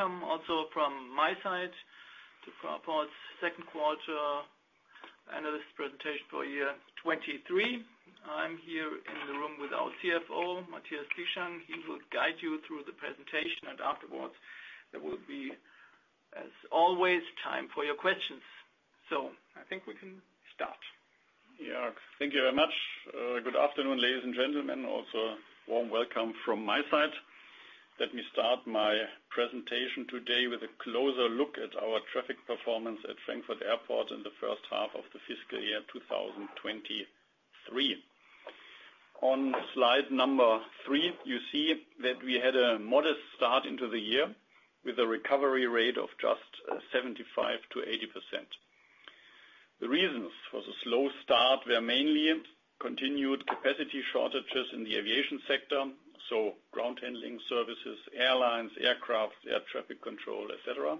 Welcome also from my side to Fraport's Q2 analyst presentation for year 2023. I'm here in the room with our CFO, Matthias Zieschang. He will guide you through the presentation, and afterwards, there will be, as always, time for your questions. I think we can start. Yeah, thank you very much. Good afternoon, ladies and gentlemen, also warm welcome from my side. Let me start my presentation today with a closer look at our traffic performance at Frankfurt Airport in the first half of the fiscal year 2023. On Slide 3, you see that we had a modest start into the year with a recovery rate of just 75%-80%. The reasons for the slow start were mainly continued capacity shortages in the aviation sector, so ground handling services, airlines, aircraft, air traffic control, et cetera.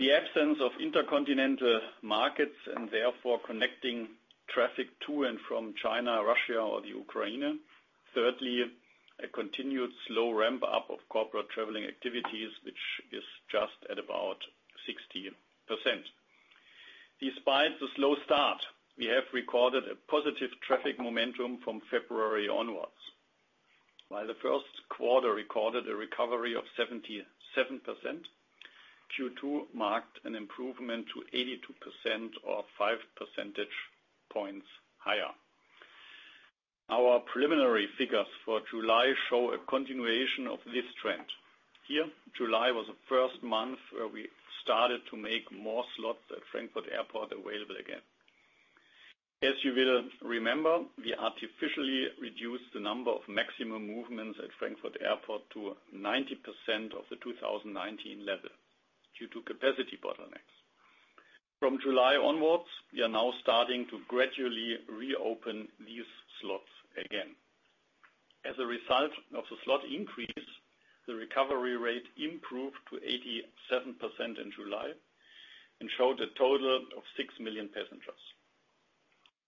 The absence of intercontinental markets, and therefore connecting traffic to and from China, Russia, or the Ukraine. Thirdly, a continued slow ramp-up of corporate traveling activities, which is just at about 60%. Despite the slow start, we have recorded a positive traffic momentum from February onwards. While the Q1 recorded a recovery of 77%, Q2 marked an improvement to 82% or 5 percentage points higher. Our preliminary figures for July show a continuation of this trend. Here, July was the first month where we started to make more slots at Frankfurt Airport available again. As you will remember, we artificially reduced the number of maximum movements at Frankfurt Airport to 90% of the 2019 level due to capacity bottlenecks. From July onwards, we are now starting to gradually reopen these slots again. As a result of the slot increase, the recovery rate improved to 87% in July and showed a total of 6 million passengers.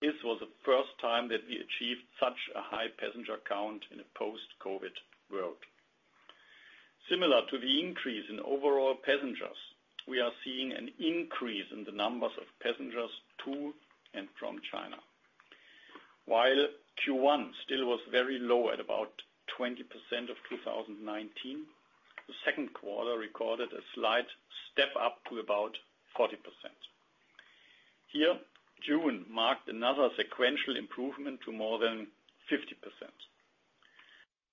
This was the first time that we achieved such a high passenger count in a post-COVID world. Similar to the increase in overall passengers, we are seeing an increase in the numbers of passengers to and from China. While Q1 still was very low at about 20% of 2019, the Q2 recorded a slight step up to about 40%. Here, June marked another sequential improvement to more than 50%.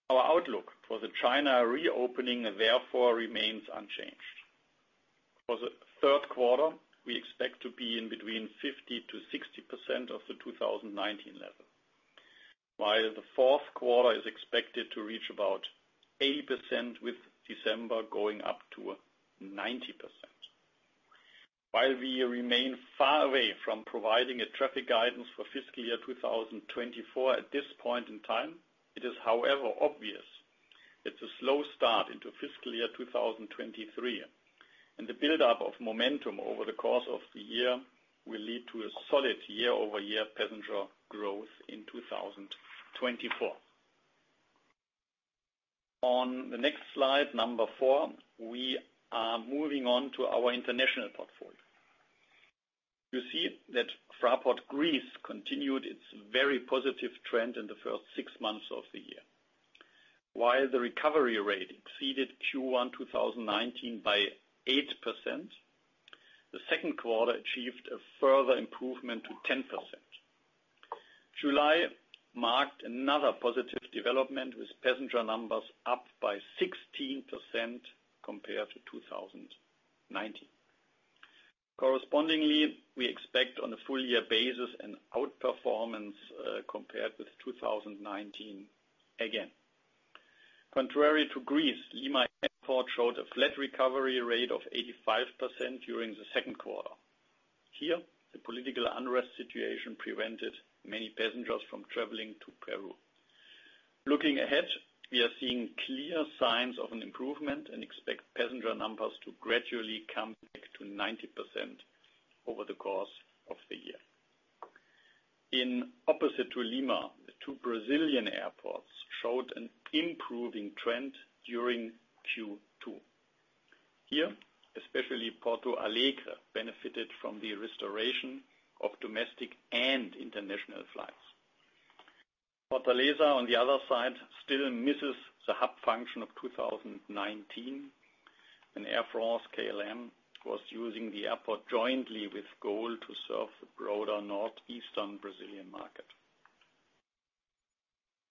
Our outlook for the China reopening, therefore, remains unchanged. For the Q3, we expect to be in between 50%-60% of the 2019 level, while the Q4 is expected to reach about 80%, with December going up to 90%. While we remain far away from providing a traffic guidance for fiscal year 2024, at this point in time, it is, however, obvious it's a slow start into fiscal year 2023, and the buildup of momentum over the course of the year will lead to a solid year-over-year passenger growth in 2024. On the next slide, number 4, we are moving on to our international portfolio. You see that Fraport Greece continued its very positive trend in the first 6 months of the year. While the recovery rate exceeded Q1 2019 by 8%, the Q2 achieved a further improvement to 10%. July marked another positive development, with passenger numbers up by 16% compared to 2019. Correspondingly, we expect on a full year basis an outperformance, compared with 2019 again. Contrary to Greece, Lima Airport showed a flat recovery rate of 85% during the Q2. Here, the political unrest situation prevented many passengers from traveling to Peru. Looking ahead, we are seeing clear signs of an improvement and expect passenger numbers to gradually come back to 90% over the course of the year. In opposite to Lima, the two Brazilian airports showed an improving trend during Q2. Here, especially Porto Alegre, benefited from the restoration of domestic and international flights. Fortaleza, on the other side, still misses the hub function of 2019, and Air France KLM was using the airport jointly with GOL to serve the broader northeastern Brazilian market.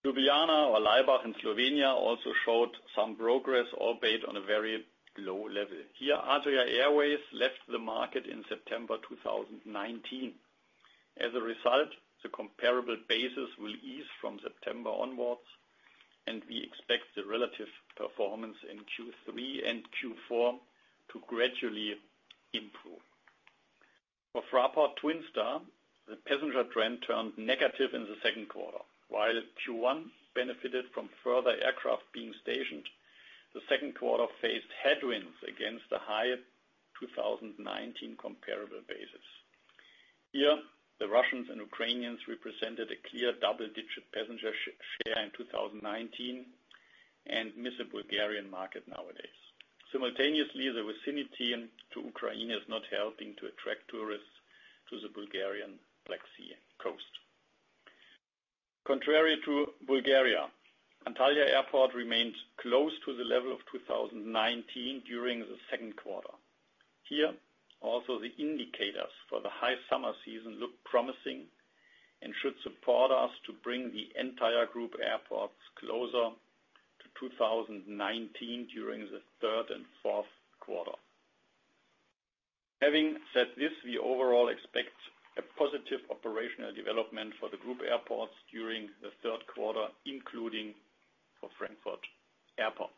Ljubljana or Ljubljana in Slovenia also showed some progress, albeit on a very low level. Here, Adria Airways left the market in September 2019. As a result, the comparable basis will ease from September onwards, we expect the relative performance in Q3 and Q4 to gradually improve. For Fraport Twin Star, the passenger trend turned negative in the Q2. While Q1 benefited from further aircraft being stationed, the Q2 faced headwinds against the higher 2019 comparable basis. Here, the Russians and Ukrainians represented a clear double-digit passenger share in 2019, and miss the Bulgarian market nowadays. Simultaneously, the vicinity to Ukraine is not helping to attract tourists to the Bulgarian Black Sea Coast. Contrary to Bulgaria, Antalya Airport remains close to the level of 2019 during the Q2. Here, also the indicators for the high summer season look promising, and should support us to bring the entire group airports closer to 2019 during Q3 and Q4. Having said this, we overall expect a positive operational development for the group airports during the Q3, including for Frankfurt Airport.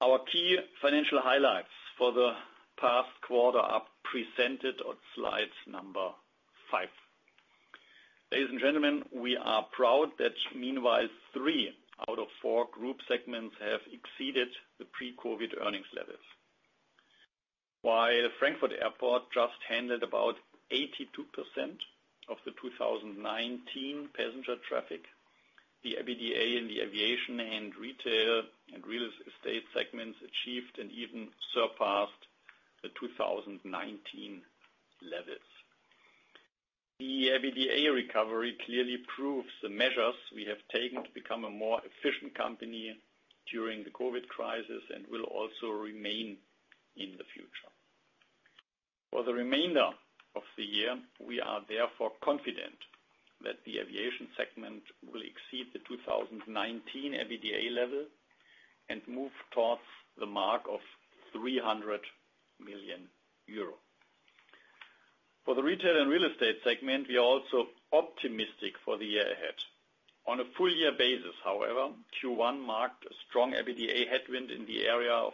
Our key financial highlights for the past quarter are presented on Slide 5. Ladies and gentlemen, we are proud that meanwhile, 3/4 group segments have exceeded the pre-COVID earnings levels. While Frankfurt Airport just handled about 82% of the 2019 passenger traffic, the EBITDA in the aviation and retail and real estate segments achieved and even surpassed the 2019 levels. The EBITDA recovery clearly proves the measures we have taken to become a more efficient company during the COVID crisis, and will also remain in the future. For the remainder of the year, we are therefore confident that the aviation segment will exceed the 2019 EBITDA level, and move towards the mark of 300 million euro. For the retail and real estate segment, we are also optimistic for the year ahead. On a full year basis, however, Q1 marked a strong EBITDA headwind in the area of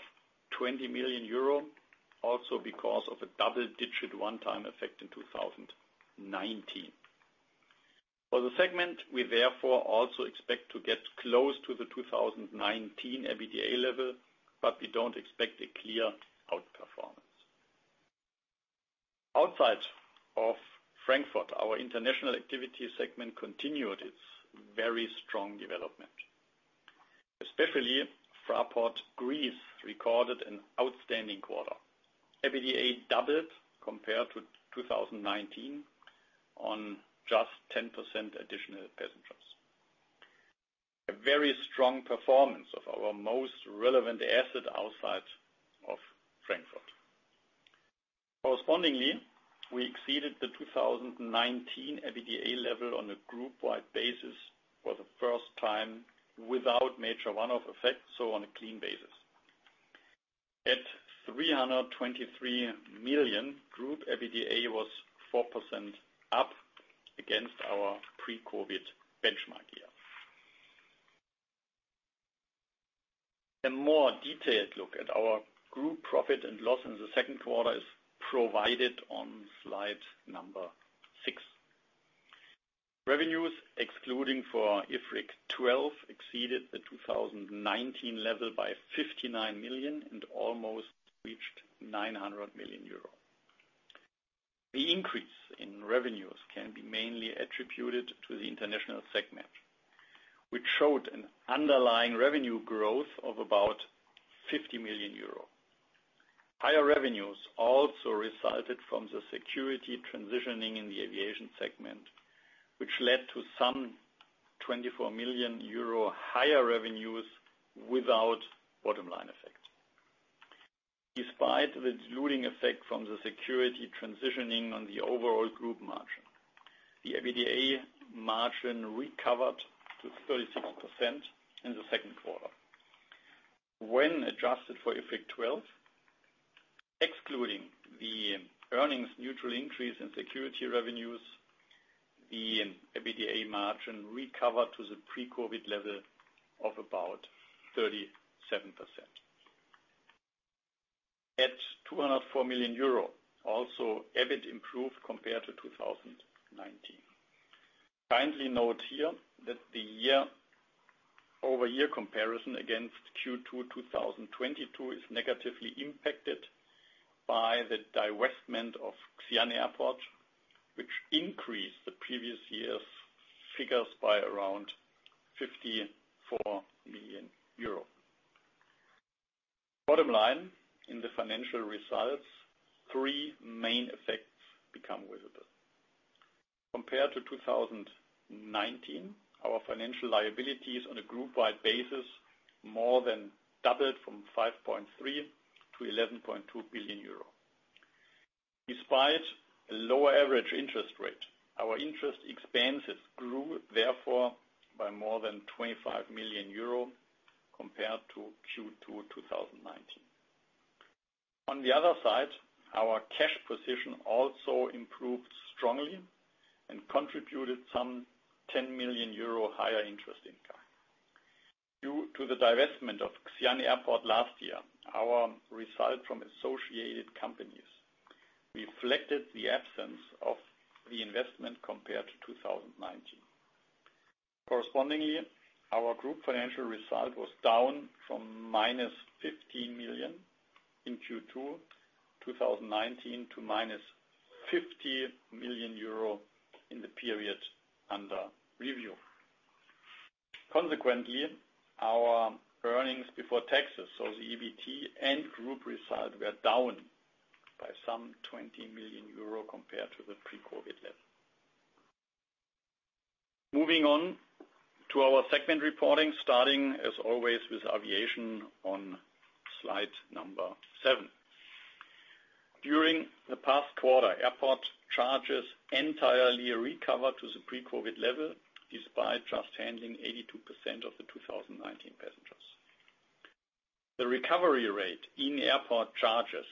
20 million euro, also because of a double-digit one-time effect in 2019. For the segment, we therefore also expect to get close to the 2019 EBITDA level, but we don't expect a clear outperformance. Outside of Frankfurt, our international activity segment continued its very strong development. Especially, Fraport Greece recorded an outstanding quarter. EBITDA doubled compared to 2019, on just 10% additional passengers. A very strong performance of our most relevant asset outside of Frankfurt. Correspondingly, we exceeded the 2019 EBITDA level on a group-wide basis for the first time without major one-off effects, so on a clean basis. At 323 million, group EBITDA was 4% up against our pre-COVID benchmark year. A more detailed look at our group profit and loss in the Q2 is provided on Slide 6. Revenues, excluding for IFRIC 12, exceeded the 2019 level by 59 million, and almost reached 900 million euro. The increase in revenues can be mainly attributed to the international segment, which showed an underlying revenue growth of about 50 million euro. Higher revenues also resulted from the security transitioning in the aviation segment, which led to some 24 million euro higher revenues without bottom line effect. Despite the diluting effect from the security transitioning on the overall group margin, the EBITDA margin recovered to 36% in the Q2. When adjusted for IFRIC twelve, excluding the earnings neutral increase in security revenues, the EBITDA margin recovered to the pre-COVID level of about 37%. At 204 million euro, also, EBIT improved compared to 2019. Kindly note here that the year-over-year comparison against Q2 2022 is negatively impacted by the divestment of Xi'an Airport, which increased the previous year's figures by around 54 million euro. Bottom line, in the financial results, three main effects become visible. Compared to 2019, our financial liabilities on a group-wide basis more than doubled from 5.3 to 11.2 billion euro. Despite a lower average interest rate, our interest expenses grew, therefore, by more than 25 million euro compared to Q2 2019. On the other side, our cash position also improved strongly and contributed some 10 million euro higher interest income. Due to the divestment of Xi'an Airport last year, our result from associated companies reflected the absence of the investment compared to 2019. Correspondingly, our group financial result was down from minus 15 million in Q2 2019 to minus 50 million euro in the period under review. Consequently, our earnings before taxes, so the EBT and group results were down by some 20 million euro compared to the pre-COVID level. Moving on to our segment reporting, starting, as always, with aviation on Slide 7. During the past quarter, airport charges entirely recovered to the pre-COVID level, despite just handling 82% of the 2019 passengers. The recovery rate in airport charges,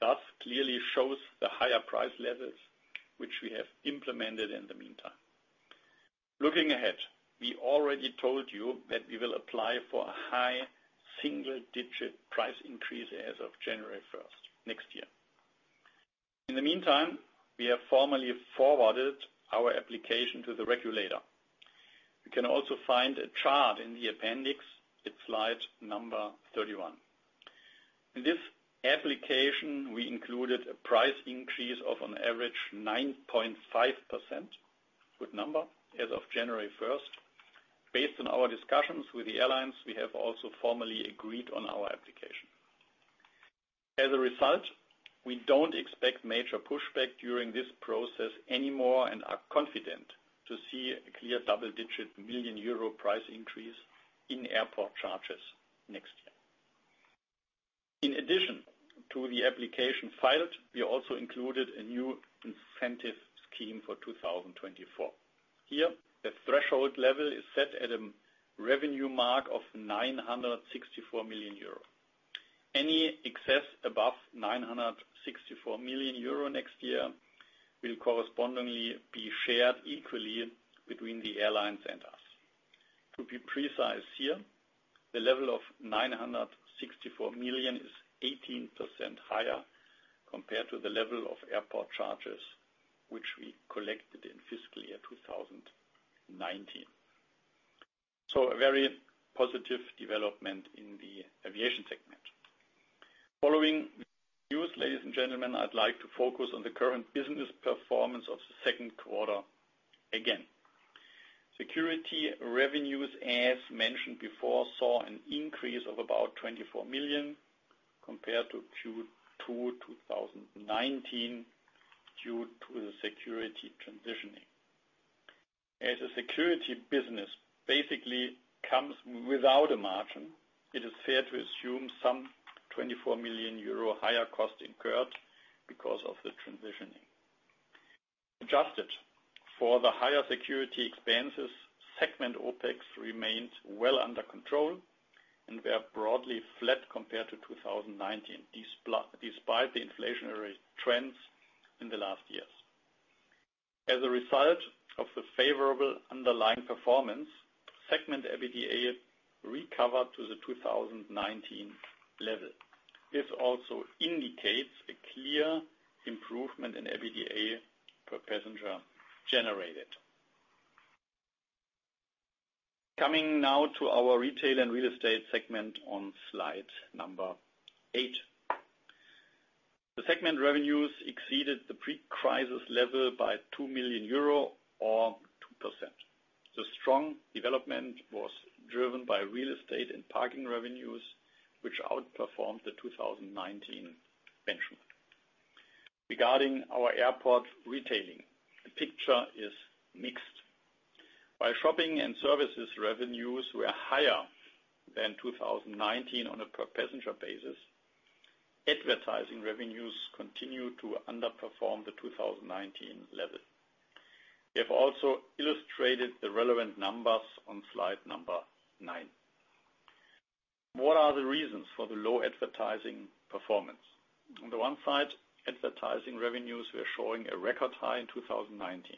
thus, clearly shows the higher price levels, which we have implemented in the meantime. Looking ahead, we already told you that we will apply for a high single-digit price increase as of January first, next year. In the meantime, we have formally forwarded our application to the regulator. You can also find a chart in the appendix at Slide 31. In this application, we included a price increase of an average 9.5%, good number, as of January first. Based on our discussions with the airlines, we have also formally agreed on our application. As a result, we don't expect major pushback during this process anymore, and are confident to see a clear double-digit million euro price increase in airport charges next year. In addition to the application filed, we also included a new incentive scheme for 2024. Here, the threshold level is set at a revenue mark of 964 million euro. Any excess above 964 million euro next year, will correspondingly be shared equally between the airlines and us. To be precise here, the level of 964 million is 18% higher compared to the level of airport charges, which we collected in fiscal year 2019. A very positive development in the aviation segment. Following news, ladies and gentlemen, I'd like to focus on the current business performance of the Q2 again. Security revenues, as mentioned before, saw an increase of about 24 million compared to Q2 2019, due to the security transitioning. As a security business basically comes without a margin, it is fair to assume some 24 million euro higher cost incurred because of the transitioning. Adjusted for the higher security expenses, segment OpEx remains well under control, and we are broadly flat compared to 2019, despite the inflationary trends in the last years. As a result of the favorable underlying performance, segment EBITDA recovered to the 2019 level. This also indicates a clear improvement in EBITDA per passenger generated. Coming now to our retail and real estate segment on Slide 8. The segment revenues exceeded the pre-crisis level by 2 million euro or 2%. The strong development was driven by real estate and parking revenues, which outperformed the 2019 benchmark. Regarding our airport retailing, the picture is mixed. While shopping and services revenues were higher than 2019 on a per passenger basis, advertising revenues continued to underperform the 2019 level. We have also illustrated the relevant numbers on Slide 9. What are the reasons for the low advertising performance? On the one side, advertising revenues were showing a record high in 2019.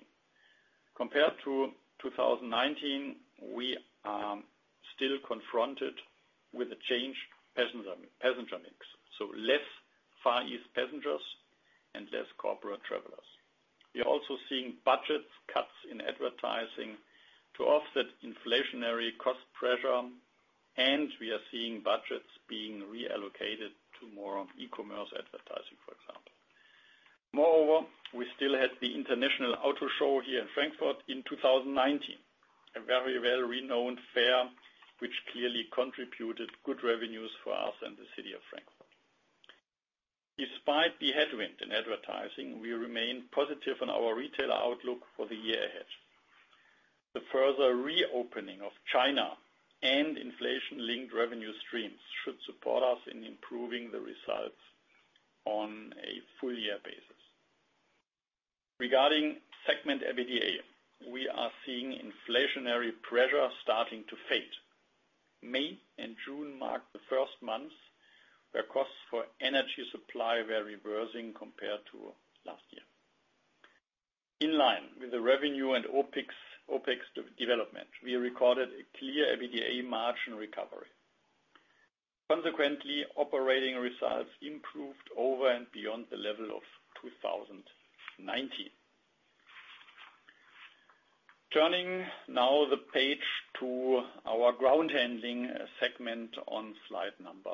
Compared to 2019, we are still confronted with a changed passenger, passenger mix, so less Far East passengers and less corporate travelers. We are also seeing budget cuts in advertising to offset inflationary cost pressure, and we are seeing budgets being reallocated to more e-commerce advertising, for example. Moreover, we still had the International Auto Show here in Frankfurt in 2019, a very well-renowned fair, which clearly contributed good revenues for us and the City of Frankfurt. Despite the headwind in advertising, we remain positive on our retail outlook for the year ahead. The further reopening of China and inflation-linked revenue streams should support us in improving the results on a full year basis. Regarding segment EBITDA, we are seeing inflationary pressure starting to fade. May and June marked the first months, where costs for energy supply were reversing compared to last year. In line with the revenue and OpEx development, we recorded a clear EBITDA margin recovery. Consequently, operating results improved over and beyond the level of 2019. Turning now the page to our ground handling segment on slide number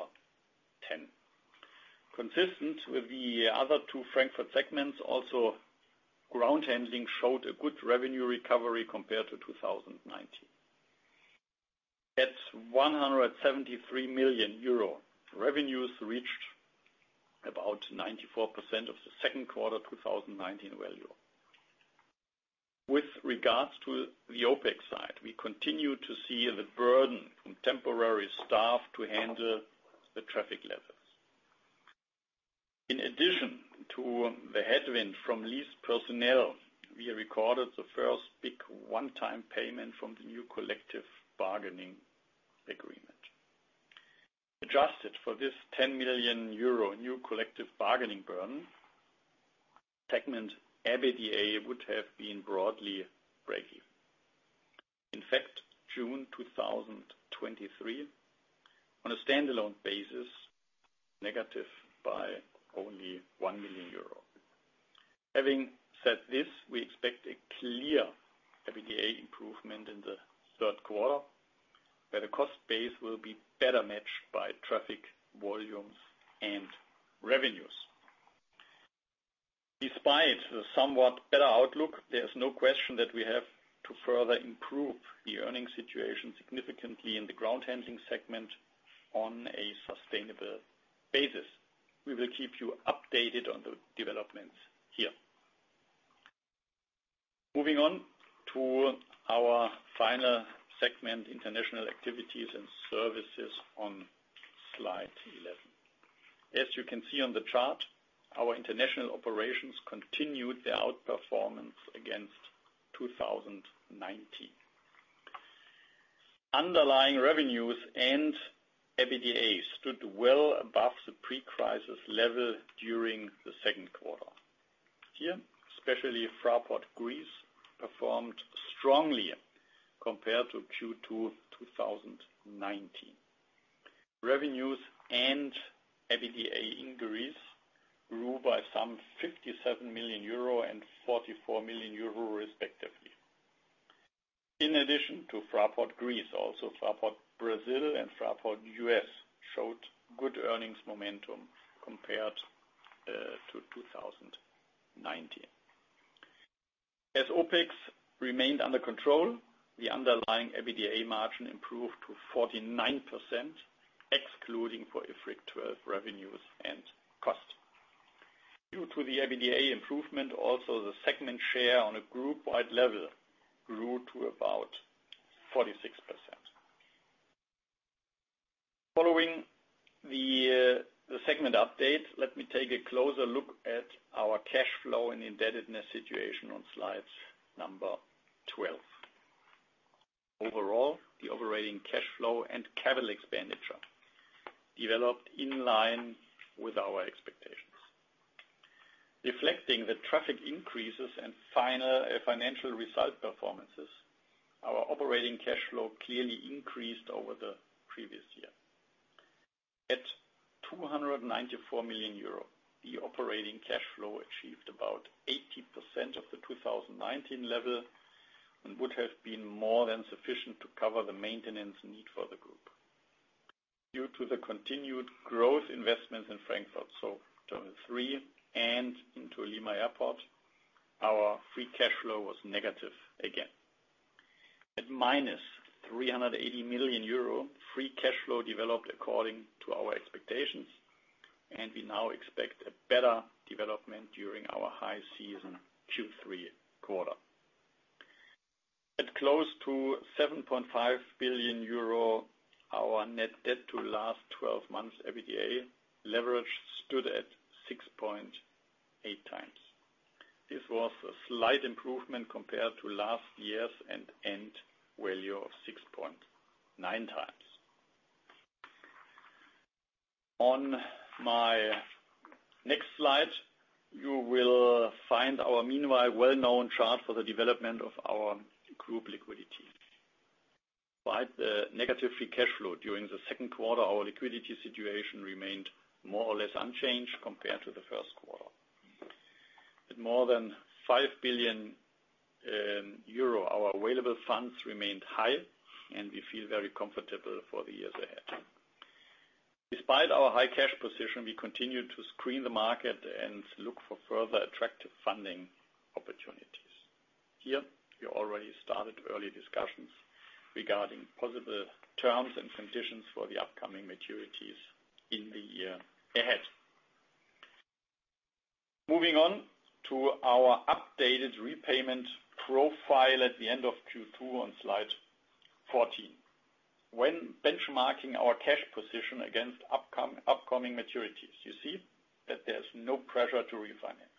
10. Consistent with the other two Frankfurt segments, also ground handling showed a good revenue recovery compared to 2019. At 173 million euro, revenues reached about 94% of the Q2 2019 value. With regards to the OpEx side, we continue to see the burden from temporary staff to handle the traffic levels. In addition to the headwind from leased personnel, we have recorded the first big one-time payment from the new collective bargaining agreement. Adjusted for this 10 million euro new collective bargaining burden, segment EBITDA would have been broadly break-even. In fact, June 2023, on a standalone basis, negative by only 1 million euro. Having said this, we expect a clear EBITDA improvement in the Q3, where the cost base will be better matched by traffic volumes and revenues. Despite the somewhat better outlook, there's no question that we have to further improve the earnings situation significantly in the ground handling segment on a sustainable basis. We will keep you updated on the developments here. Moving on to our final segment, International Activities and Services on Slide 11. As you can see on the chart, our international operations continued their outperformance against 2019. Underlying revenues and EBITDA stood well above the pre-crisis level during the Q2. Here, especially Fraport Greece, performed strongly compared to Q2 2019. Revenues and EBITDA in Greece grew by some 57 million euro and 44 million euro, respectively. In addition to Fraport Greece, also Fraport Brazil and Fraport US showed good earnings momentum compared to 2019. As OpEx remained under control, the underlying EBITDA margin improved to 49%, excluding for IFRIC 12 revenues and costs. Due to the EBITDA improvement, also the segment share on a group-wide level grew to about 46%. Following the segment update, let me take a closer look at our cash flow and indebtedness situation on Slide 12. Overall, the operating cash flow and capital expenditure developed in line with our expectations. Reflecting the traffic increases and final financial result performances, our operating cash flow clearly increased over the previous year. At 294 million euro, the operating cash flow achieved about 80% of the 2019 level, and would have been more than sufficient to cover the maintenance need for the group. Due to the continued growth investments in Frankfurt Airport, so Terminal 3 and into Lima Airport, our free cash flow was negative again. At -380 million euro, free cash flow developed according to our expectations, and we now expect a better development during our high season, Q3 quarter. At close to 7.5 billion euro, our net debt to last 12 months EBITDA leverage stood at 6.8 times. This was a slight improvement compared to last year's end value of 6.9 times. On my next Slide, you will find our meanwhile well-known chart for the development of our group liquidity. By the negative free cash flow during the Q2, our liquidity situation remained more or less unchanged compared to the Q1. At more than 5 billion euro, our available funds remained high, and we feel very comfortable for the years ahead. Despite our high cash position, we continued to screen the market and look for further attractive funding opportunities. Here, we already started early discussions regarding possible terms and conditions for the upcoming maturities in the year ahead. Moving on to our updated repayment profile at the end of Q2 on Slide 14. When benchmarking our cash position against upcoming maturities, you see that there's no pressure to refinance.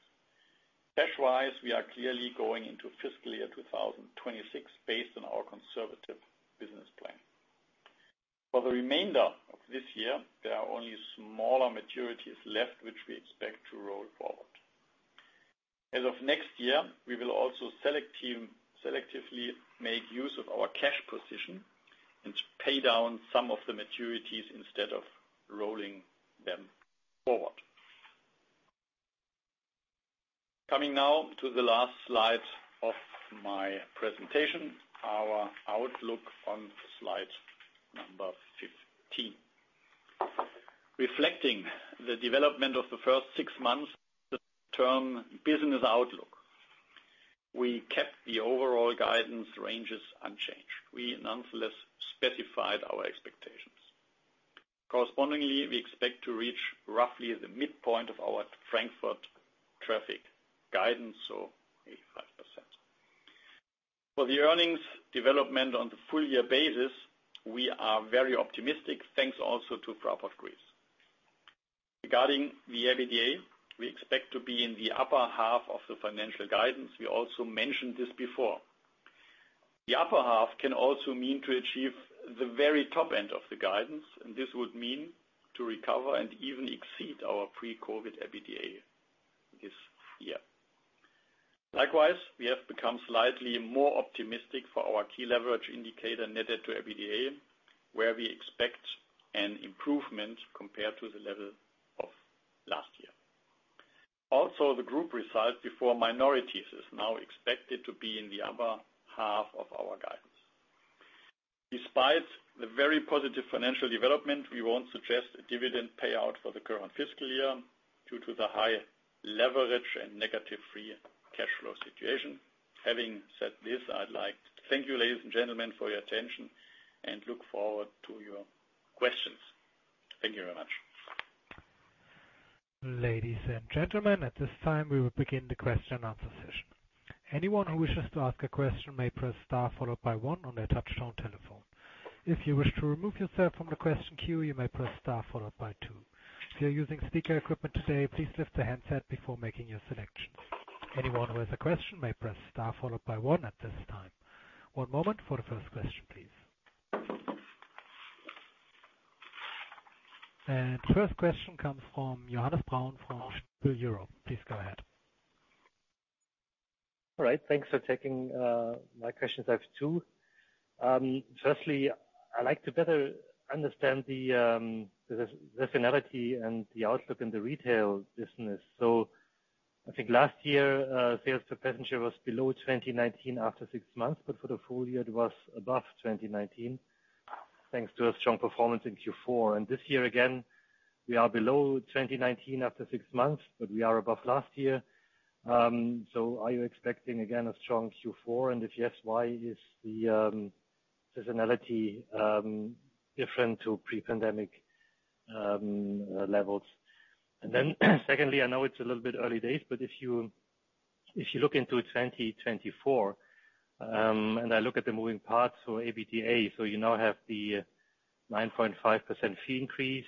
Cash-wise, we are clearly going into fiscal year 2026, based on our conservative business plan. For the remainder of this year, there are only smaller maturities left, which we expect to roll forward. As of next year, we will also selectively make use of our cash position and to pay down some of the maturities instead of rolling them forward. Coming now to the last slide of my presentation, our outlook on slide number 15. Reflecting the development of the first six months, the term business outlook, we kept the overall guidance ranges unchanged. We nonetheless specified our expectations. Correspondingly, we expect to reach roughly the midpoint of our Frankfurt traffic guidance, so 85%. For the earnings development on the full year basis, we are very optimistic, thanks also to Fraport Greece. Regarding the EBITDA, we expect to be in the upper half of the financial guidance. We also mentioned this before. The upper half can also mean to achieve the very top end of the guidance. This would mean to recover and even exceed our pre-COVID EBITDA this year. Likewise, we have become slightly more optimistic for our key leverage indicator net debt to EBITDA, where we expect an improvement compared to the level of last year. The group result before minorities, is now expected to be in the upper half of our guidance. Despite the very positive financial development, we won't suggest a dividend payout for the current fiscal year due to the high leverage and negative free cash flow situation. Having said this, I'd like to thank you, ladies and gentlemen, for your attention, and look forward to your questions. Thank you very much. Ladies and gentlemen, at this time, we will begin the question and answer session. Anyone who wishes to ask a question may press star followed by one on their touchtone telephone. If you wish to remove yourself from the question queue, you may press star followed by two. If you're using speaker equipment today, please lift the handset before making your selection. Anyone who has a question may press star followed by one at this time. One moment for the first question, please. First question comes from Johannes Braun from Stifel Europe.. Please go ahead. All right, thanks for taking my questions. I have 2. Firstly, I'd like to better understand the seasonality and the outlook in the retail business. I think last year, sales per passenger was below 2019 after 6 months, but for the full year, it was above 2019, thanks to a strong performance in Q4. This year, again, we are below 2019 after 6 months, but we are above last year. Are you expecting again, a strong Q4? If yes, why is the seasonality different to pre-pandemic levels? Then secondly, I know it's a little bit early days, but if you, if you look into 2024, and I look at the moving parts for EBITDA, You now have the 9.5% fee increase,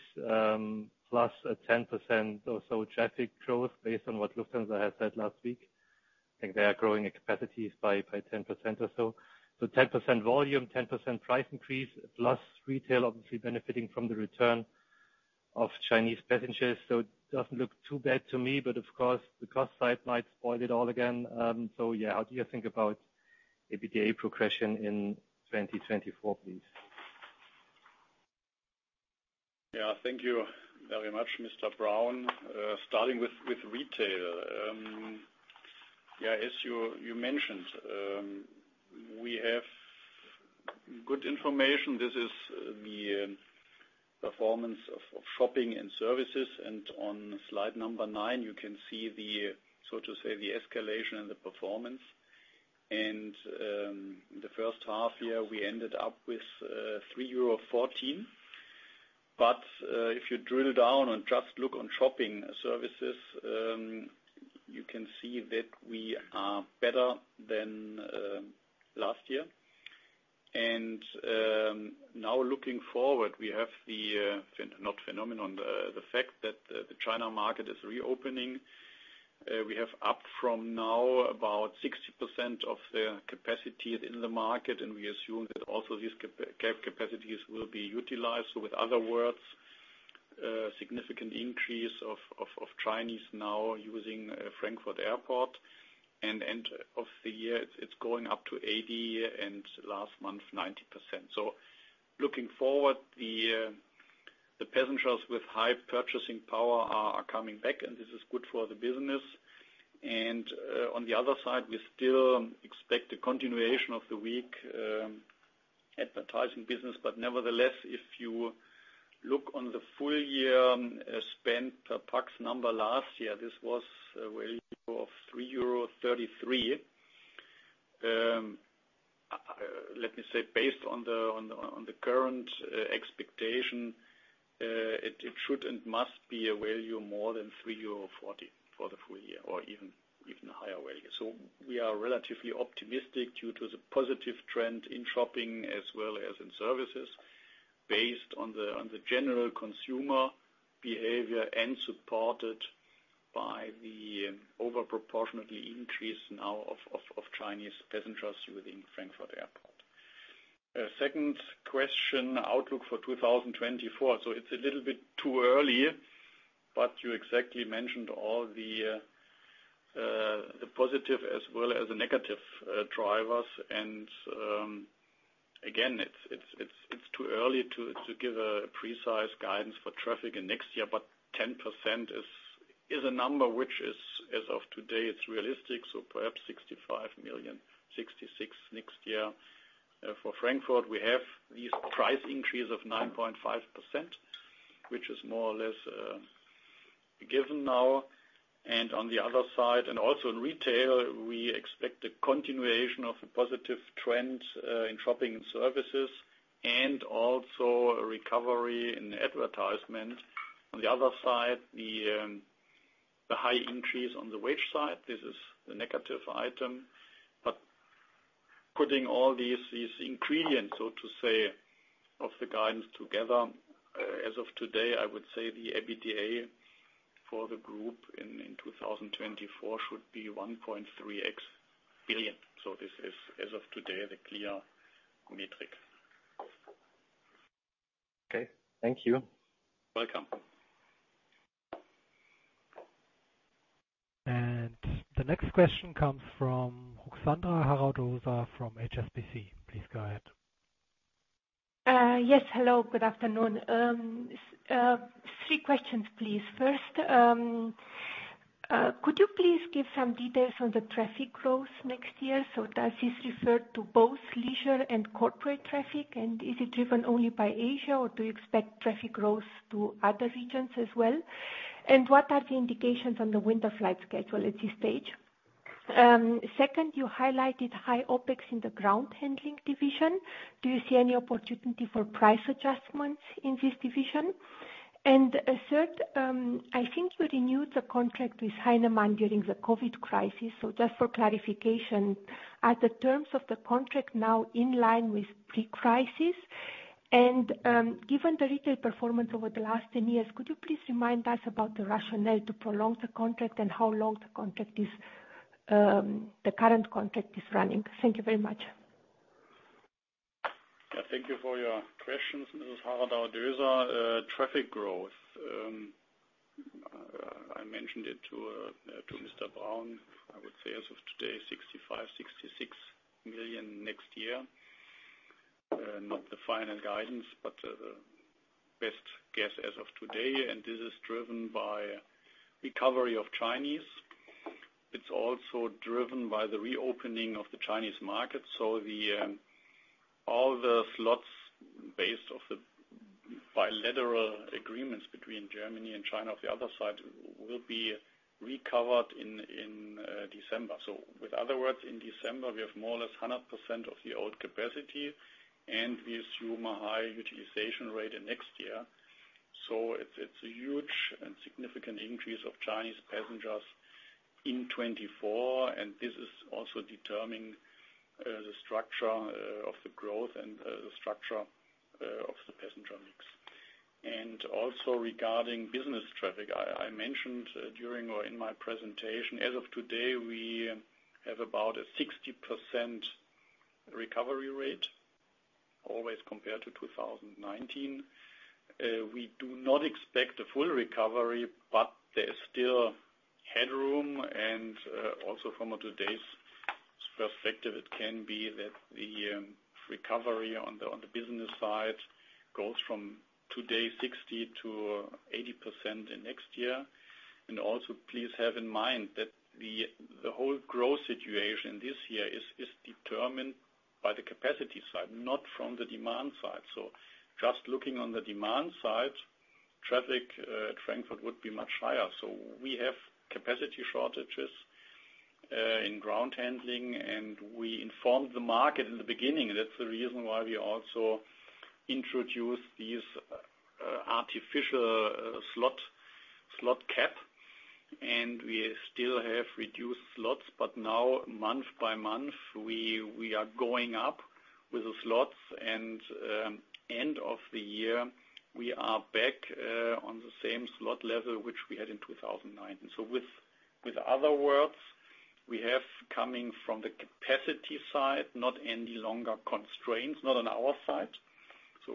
plus a 10% or so traffic growth based on what Lufthansa has said last week. I think they are growing capacities by, by 10% or so. Ten percent volume, 10% price increase, plus retail, obviously benefiting from the return of Chinese passengers. It doesn't look too bad to me, but of course, the cost side might spoil it all again. Yeah, how do you think about EBITDA progression in 2024, please? Yeah, thank you very much, Mr. Braun. Starting with retail. As you mentioned, we have good information. This is the performance of shopping and services. On Slide 9, you can see the, so to say, the escalation and the performance. The first half year, we ended up with 3.14 euro. If you drill down and just look on shopping services, you can see that we are better than last year. Now looking forward, we have the not phenomenon, the fact that the China market is reopening. We have up from now about 60% of the capacity in the market. We assume that also these capacities will be utilized. With other words, a significant increase of, of, of Chinese now using Frankfurt Airport, and end of the year, it's going up to 80, and last month, 90%. Looking forward, the passengers with high purchasing power are, are coming back, and this is good for the business. On the other side, we still expect a continuation of the weak advertising business. Nevertheless, if you look on the full year spend per pax number last year, this was a value of 3.33 euro. Let me say, based on the, on the, on the current expectation, it, it should and must be a value more than 3.40 euro for the full year or even, even a higher value. We are relatively optimistic due to the positive trend in shopping as well as in services based on the, on the general consumer behavior and supported by the over proportionately increase now of Chinese passengers within Frankfurt Airport. Second question, outlook for 2024. It's a little bit too early, but you exactly mentioned all the positive as well as the negative drivers. Again, it's too early to give a precise guidance for traffic in next year, but 10% is a number which is, as of today, realistic, so perhaps 65 million, 66 next year. For Frankfurt, we have this price increase of 9.5%, which is more or less given now, and on the other side, and also in retail, we expect a continuation of a positive trend in shopping and services and also a recovery in advertisement. On the other side, the high increase on the wage side, this is the negative item. Putting all these, these ingredients of the guidance together, as of today, I would say the EBITDA for the group in 2024 should be EUR 1.3x billion. This is, as of today, the clear metric. Okay. Thank you. Welcome. The next question comes from Ruxandra Haradau-Doser from HSBC. Please go ahead. Yes, hello. Good afternoon. Three questions, please. First, could you please give some details on the traffic growth next year? Does this refer to both leisure and corporate traffic, and is it driven only by Asia, or do you expect traffic growth to other regions as well? What are the indications on the winter flight schedule at this stage? Second, you highlighted high OpEx in the ground handling division. Do you see any opportunity for price adjustments in this division? Third, I think you renewed the contract with Heinemann during the COVID crisis. Just for clarification, are the terms of the contract now in line with pre-crisis? Given the retail performance over the last 10 years, could you please remind us about the rationale to prolong the contract and how long the contract is, the current contract is running? Thank you very much. Yeah, thank you for your questions, Mrs. Haradau-Doser. Traffic growth, I mentioned it to Mr. Braun. I would say as of today, 65 million-66 million next year. Not the final guidance, but the best guess as of today, and this is driven by recovery of Chinese. It's also driven by the reopening of the Chinese market. The, all the slots based off the bilateral agreements between Germany and China, on the other side, will be recovered in December. With other words, in December, we have more or less 100% of the old capacity, and we assume a high utilization rate in next year. It's, it's a huge and significant increase of Chinese passengers in 2024, and this is also determining the structure of the growth and the structure of the passenger mix. Also regarding business traffic, I mentioned during or in my presentation, as of today, we have about a 60% recovery rate, always compared to 2019. We do not expect a full recovery, but there is still headroom, also from today's perspective, it can be that the recovery on the business side goes from today, 60%-80% in next year. Also, please have in mind that the whole growth situation this year is determined by the capacity side, not from the demand side. Just looking on the demand side, traffic at Frankfurt would be much higher. We have capacity shortages in ground handling, and we informed the market in the beginning. That's the reason why we also introduced these, artificial, slot, slot cap, and we still have reduced slots, but now month by month, we, we are going up with the slots, and end of the year, we are back, on the same slot level, which we had in 2009. With, with other words, we have coming from the capacity side, not any longer constraints, not on our side.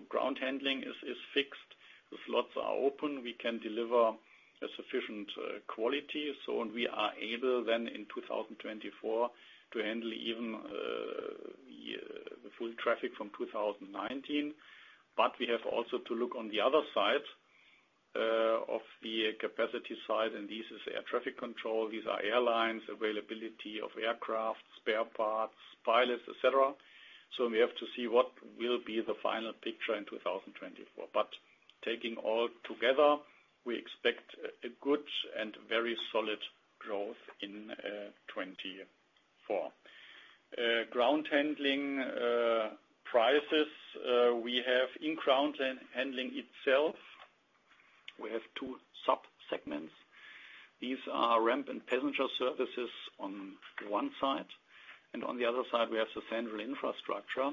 Ground handling is, is fixed. The slots are open. We can deliver a sufficient, quality, so and we are able then in 2024 to handle even, year, the full traffic from 2019. We have also to look on the other side, of the capacity side, and this is air traffic control. These are airlines, availability of aircraft, spare parts, pilots, et cetera. We have to see what will be the final picture in 2024. Taking all together, we expect a, a good and very solid growth in 2024. Ground handling prices, we have in handling itself, we have 2 subsegments. These are ramp and passenger services on one side, and on the other side, we have the central infrastructure.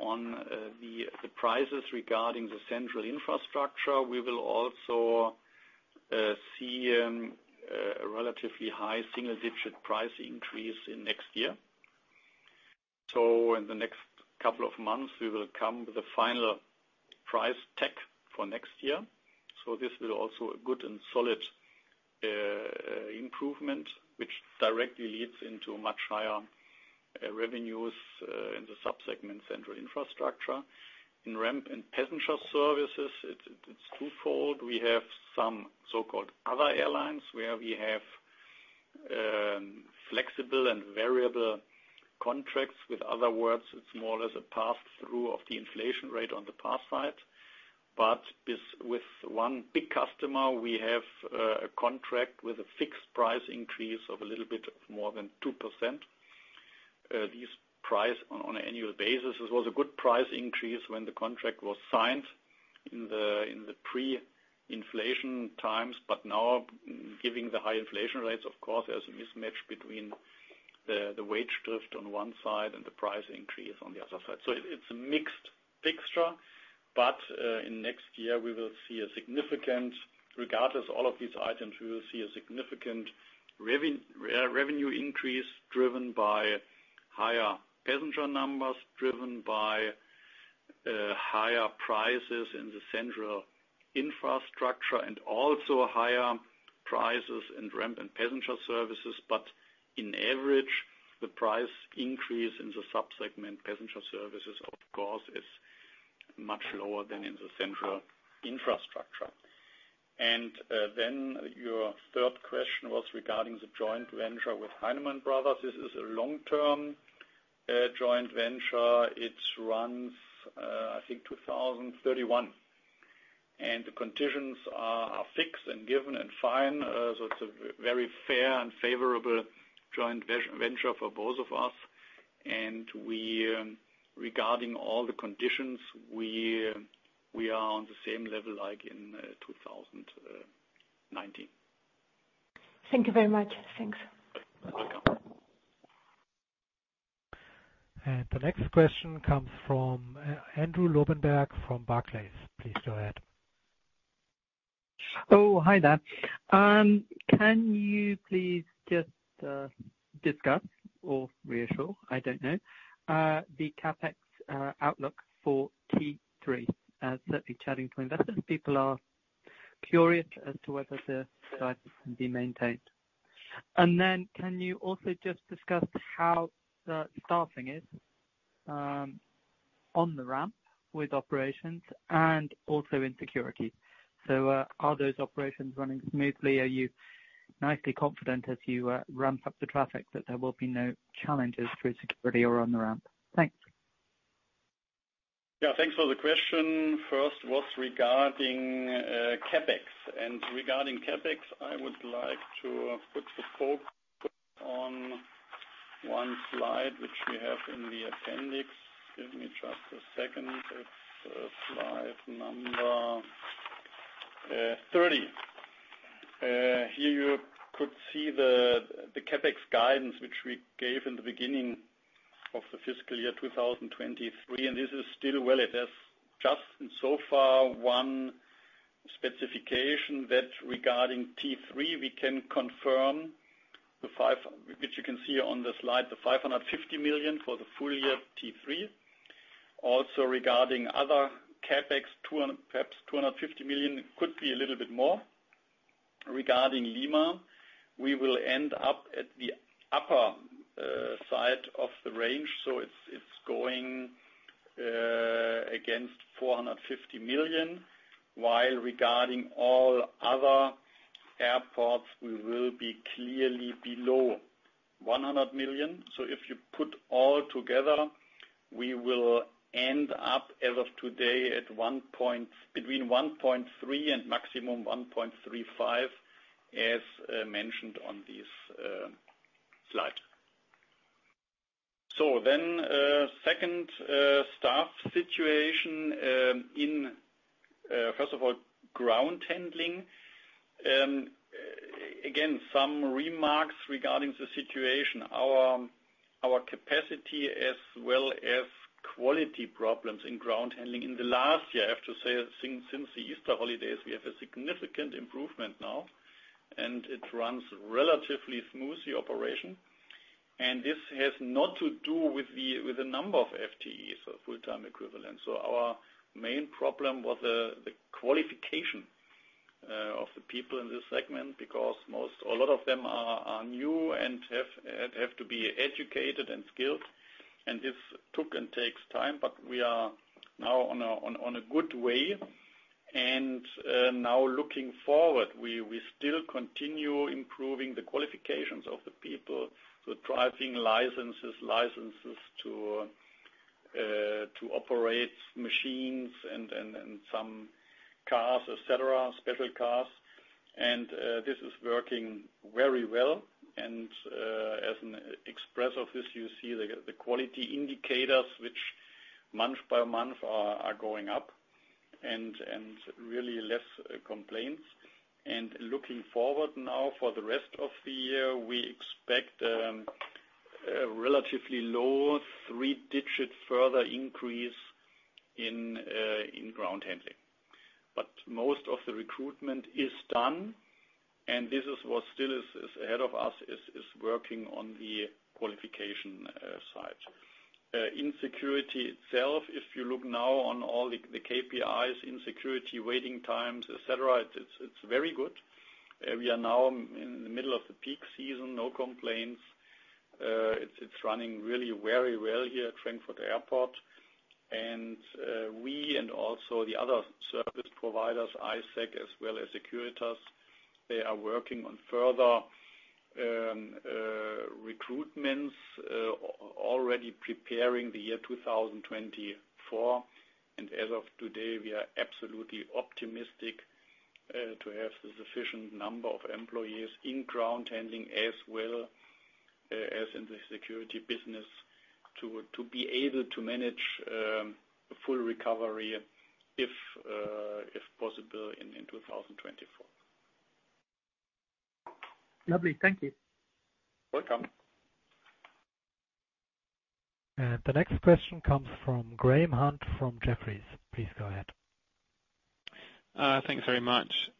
On the prices regarding the central infrastructure, we will see a relatively high single-digit price increase in next year. In the next couple of months, we will come with a final price tag for next year. This is also a good and solid improvement, which directly leads into much higher revenues in the subsegment central infrastructure. In ramp and passenger services, it's, it's twofold. We have some so-called other airlines, where we have flexible and variable contracts. With other words, it's more as a pass-through of the inflation rate on the pass side. But with, with one big customer, we have a contract with a fixed price increase of a little bit more than 2%. This price on, on an annual basis was a good price increase when the contract was signed in the, in the pre-inflation times, but now, giving the high inflation rates, of course, there's a mismatch between the, the wage drift on one side and the price increase on the other side. It's a mixed picture, but in next year, we will see a significant revenue increase driven by higher passenger numbers, driven by higher prices in the central infrastructure, and also higher prices in ramp and passenger services. In average, the price increase in the subsegment passenger services, of course, is much lower than in the central infrastructure. Then your third question was regarding the joint venture with Heinemann Brothers. This is a long-term joint venture. It runs, I think, 2031, and the conditions are fixed and given and fine. It's a very fair and favorable joint venture for both of us, and we, regarding all the conditions, we are on the same level like in 2019. Thank you very much. Thanks. You're welcome. The next question comes from Andrew Lobbenberg from Barclays. Please go ahead. Oh, hi there. Can you please just discuss or reassure, I don't know, the CapEx outlook for Q3? Certainly chatting to investors, people are curious as to whether the guidance can be maintained. Then can you also just discuss how the staffing is on the ramp with operations and also in security? Are those operations running smoothly? Are you nicely confident as you ramp up the traffic, that there will be no challenges through security or on the ramp? Thanks. Yeah, thanks for the question. First was regarding CapEx, and regarding CapEx, I would like to put the focus on one slide, which we have in the appendix. Give me just a second. It's slide number 30. Here, you could see the CapEx guidance, which we gave in the beginning of the fiscal year 2023, and this is still valid. There's just so far one specification that regarding Q3, we can confirm the 5, which you can see on the slide, the 550 million for the full year, Q3. Also, regarding other CapEx, 200, perhaps 250 million, could be a little bit more. Regarding Lima, we will end up at the upper side of the range, so it's going against 450 million, while regarding all other airports, we will be clearly below 100 million. If you put all together, we will end up, as of today, between 1.3 and maximum 1.35, as mentioned on this slide. Second, staff situation in first of all, ground handling. Again, some remarks regarding the situation. Our capacity as well as quality problems in ground handling in the last year, I have to say, since the Easter holidays, we have a significant improvement now, and it runs relatively smooth, the operation. This has not to do with the number of FTEs or full-time equivalents. Our main problem was the, the qualification of the people in this segment, because most, a lot of them are new and have, and have to be educated and skilled, and this took and takes time, but we are now on a good way. Now, looking forward, we still continue improving the qualifications of the people, the driving licenses, licenses to operate machines and some cars, et cetera, special cars. This is working very well, and as an express of this, you see the quality indicators, which month by month, are going up and really less complaints. Looking forward now for the rest of the year, we expect a relatively low 3-digit further increase in ground handling. Most of the recruitment is done, and this is what still is ahead of us, is working on the qualification side. In security itself, if you look now on all the KPIs, in security, waiting times, et cetera, it's very good. We are now in the middle of the peak season, no complaints. It's running really very well here at Frankfurt Airport, and we and also the other service providers, ISEC as well as Securitas, they are working on further recruitments, already preparing the year 2024. As of today, we are absolutely optimistic to have the sufficient number of employees in ground handling as well as in the security business, to be able to manage a full recovery, if possible, in 2024. Lovely, thank you. Welcome. The next question comes from Graham Hunt from Jefferies. Please go ahead. Thanks very much.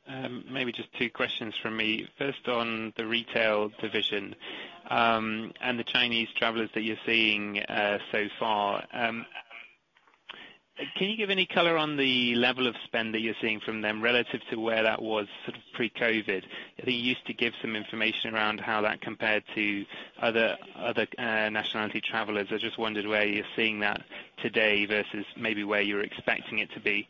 Maybe just two questions from me. First, on the retail division, and the Chinese travelers that you're seeing so far. Can you give any color on the level of spend that you're seeing from them relative to where that was sort of pre-COVID? They used to give some information around how that compared to other, other nationality travelers. I just wondered where you're seeing that today versus maybe where you're expecting it to be.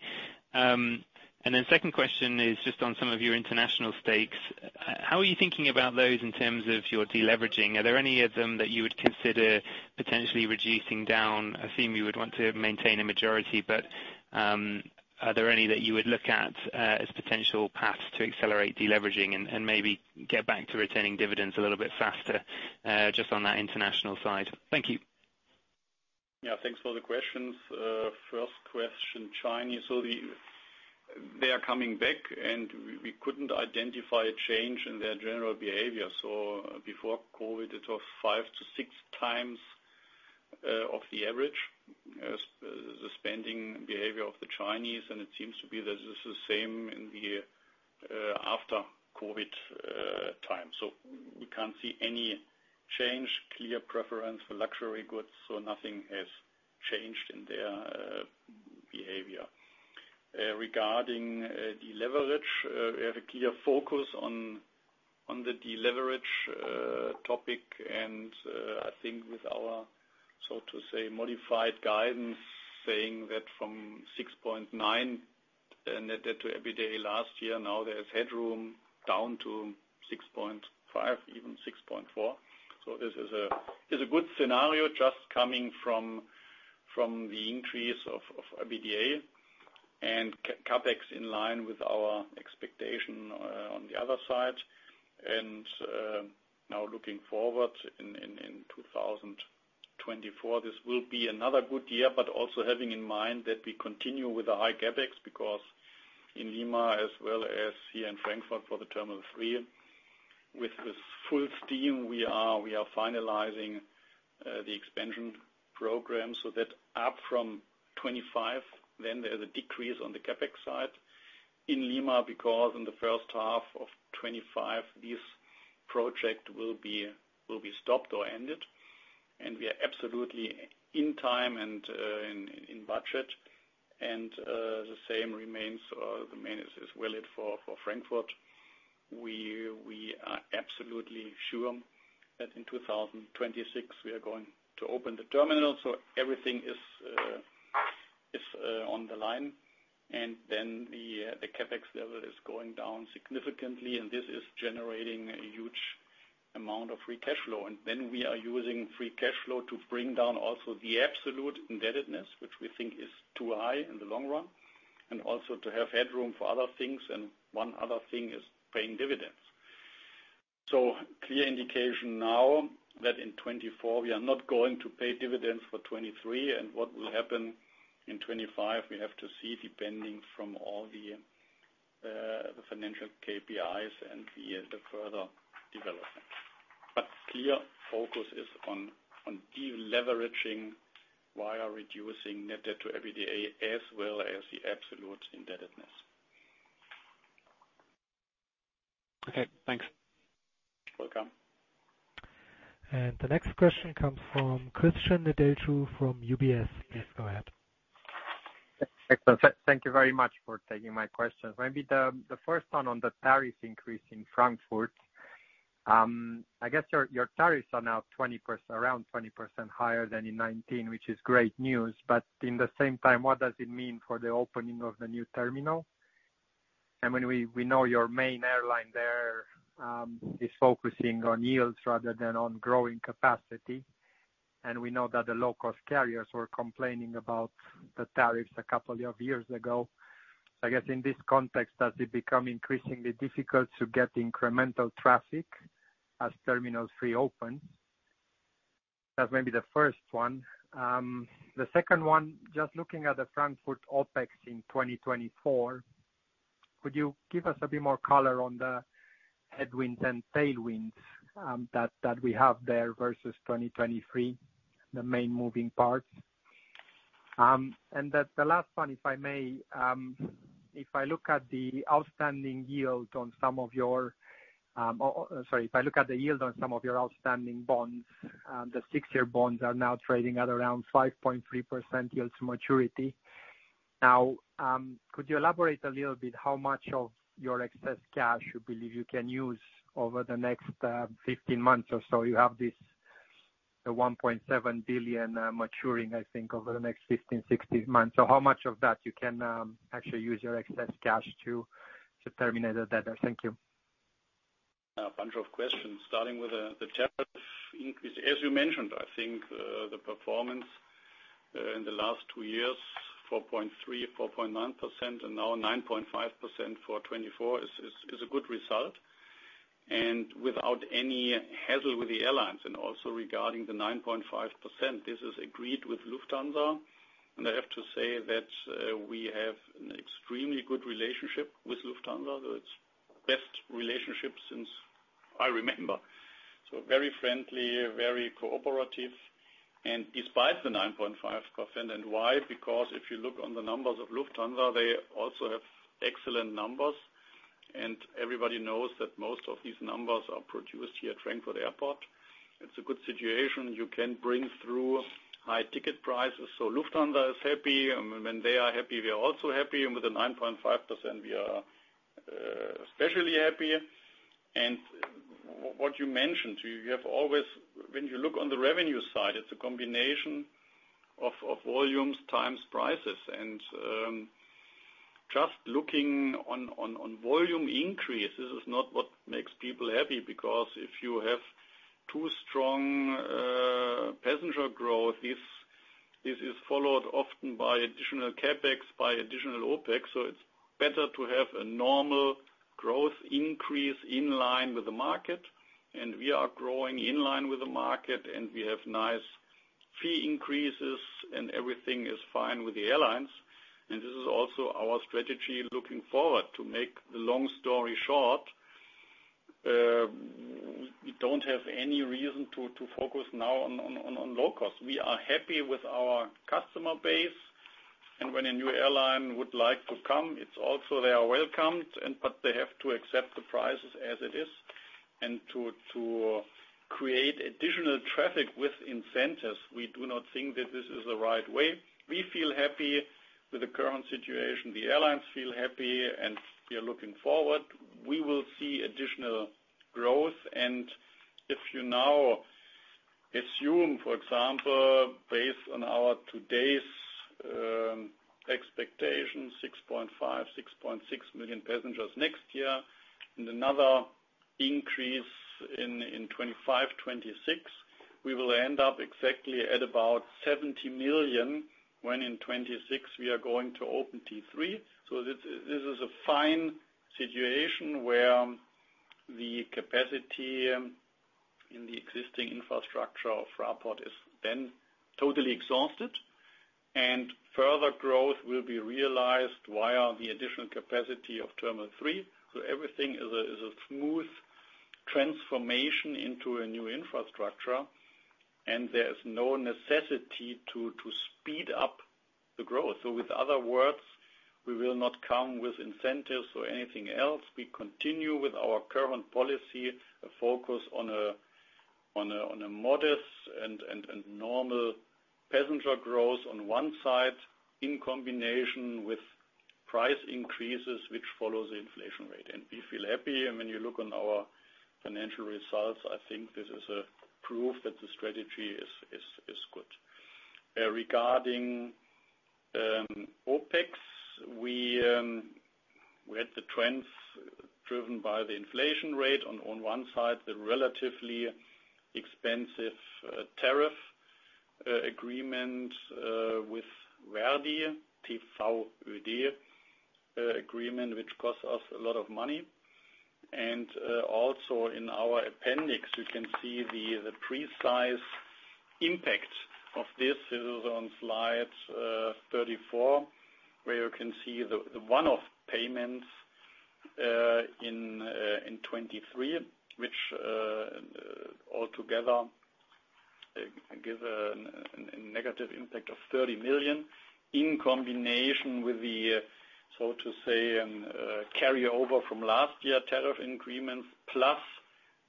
Then second question is just on some of your international stakes. How are you thinking about those in terms of your deleveraging? Are there any of them that you would consider potentially reducing down? I assume you would want to maintain a majority, but, are there any that you would look at, as potential paths to accelerate deleveraging and, and maybe get back to retaining dividends a little bit faster, just on that international side? Thank you. Yeah, thanks for the questions. First question, Chinese. They are coming back, and we, we couldn't identify a change in their general behavior. Before COVID, it was five to six times of the average the spending behavior of the Chinese, and it seems to be that this is the same in the after COVID time. We can't see any change, clear preference for luxury goods, nothing has changed in their behavior. Regarding deleverage, we have a clear focus on, on the deleverage topic, and I think with our, so to say, modified guidance, saying that from 6.9 net debt to EBITDA last year, now there's headroom down to 6.5, even 6.4. This is a good scenario just coming from the increase of EBITDA and CapEx in line with our expectation, on the other side. Now, looking forward in 2024, this will be another good year, but also having in mind that we continue with the high CapEx, because in Lima as well as here in Frankfurt for the Terminal 3, with full steam, we are finalizing the expansion program so that up from 25, then there's a decrease on the CapEx side. In Lima, because in the first half of 25, this project will be stopped or ended, we are absolutely in time and in budget, the same remains as well for Frankfurt. We are absolutely sure that in 2026, we are going to open the terminal, so everything is on the line, and then the CapEx level is going down significantly, and this is generating a huge amount of free cash flow. Then we are using free cash flow to bring down also the absolute indebtedness, which we think is too high in the long run, and also to have headroom for other things, and one other thing is paying dividends. Clear indication now that in 2024, we are not going to pay dividends for 2023, and what will happen in 2025, we have to see, depending from all the financial KPIs and the further development. Clear focus is on deleveraging while reducing net debt to EBITDA, as well as the absolute indebtedness. Okay, thanks. Welcome. The next question comes from Cristian Nedelcu from UBS. Please go ahead. Excellent. Thank you very much for taking my questions. Maybe the first one on the tariff increase in Frankfurt. I guess your, your tariffs are now 20%, around 20% higher than in 2019, which is great news, but in the same time, what does it mean for the opening of the new terminal? I mean, we, we know your main airline there is focusing on yields rather than on growing capacity, and we know that the low-cost carriers were complaining about the tariffs a couple of years ago. I guess, in this context, does it become increasingly difficult to get incremental traffic as Terminal 3 opens? That's maybe the first one. The second one, just looking at the Frankfurt OpEx in 2024-... Could you give us a bit more color on the headwinds and tailwinds that, that we have there versus 2023, the main moving parts? The, the last one, if I may, if I look at the outstanding yield on some of your, sorry, if I look at the yield on some of your outstanding bonds, the 6-year bonds are now trading at around 5.3% yield to maturity. Now, could you elaborate a little bit how much of your excess cash you believe you can use over the next 15 months or so? You have this, the 1.7 billion maturing, I think, over the next 15, 16 months. How much of that you can actually use your excess cash to, to terminate the debtor? Thank you. A bunch of questions. Starting with the tariff increase. As you mentioned, I think the performance in the last two years, 4.3, 4.9%, and now 9.5% for 2024, is, is, is a good result, and without any hassle with the airlines. Also regarding the 9.5%, this is agreed with Lufthansa, and I have to say that we have an extremely good relationship with Lufthansa. It's best relationship since I remember. Very friendly, very cooperative, and despite the 9.5%. Why? Because if you look on the numbers of Lufthansa, they also have excellent numbers, and everybody knows that most of these numbers are produced here at Frankfurt Airport. It's a good situation. You can bring through high ticket prices. Lufthansa is happy, and when they are happy, we are also happy. With the 9.5%, we are especially happy. What you mentioned, you have always when you look on the revenue side, it's a combination of volumes times prices. Just looking on volume increases is not what makes people happy, because if you have too strong passenger growth, this is followed often by additional CapEx, by additional OpEx. It's better to have a normal growth increase in line with the market, and we are growing in line with the market, and we have nice fee increases, and everything is fine with the airlines. This is also our strategy looking forward. To make the long story short, we don't have any reason to focus now on low cost. We are happy with our customer base, and when a new airline would like to come, it's also they are welcomed, and but they have to accept the prices as it is. To create additional traffic with incentives, we do not think that this is the right way. We feel happy with the current situation. The airlines feel happy. We are looking forward. We will see additional growth. If you now assume, for example, based on our today's expectation, 6.5 million-6.6 million passengers next year, and another increase in 2025, 2026, we will end up exactly at about 70 million, when in 2026 we are going to open T3. This, this is a fine situation where the capacity in the existing infrastructure of Fraport is then totally exhausted, and further growth will be realized via the additional capacity of Terminal 3. Everything is a smooth transformation into a new infrastructure, and there's no necessity to speed up the growth. With other words, we will not come with incentives or anything else. We continue with our current policy, a focus on a modest and normal passenger growth on one side, in combination with price increases, which follows the inflation rate. We feel happy. When you look on our financial results, I think this is a proof that the strategy is good. Regarding OpEx, we had the trends driven by the inflation rate. On, on one side, the relatively expensive, tariff agreement with ver.di, TVÖD agreement, which costs us a lot of money. Also in our appendix, you can see the, the precise impact of this. This is on slide 34, where you can see the, the one-off payments in 2023, which altogether give a negative impact of 30 million, in combination with the, so to say, carryover from last year, tariff increments, plus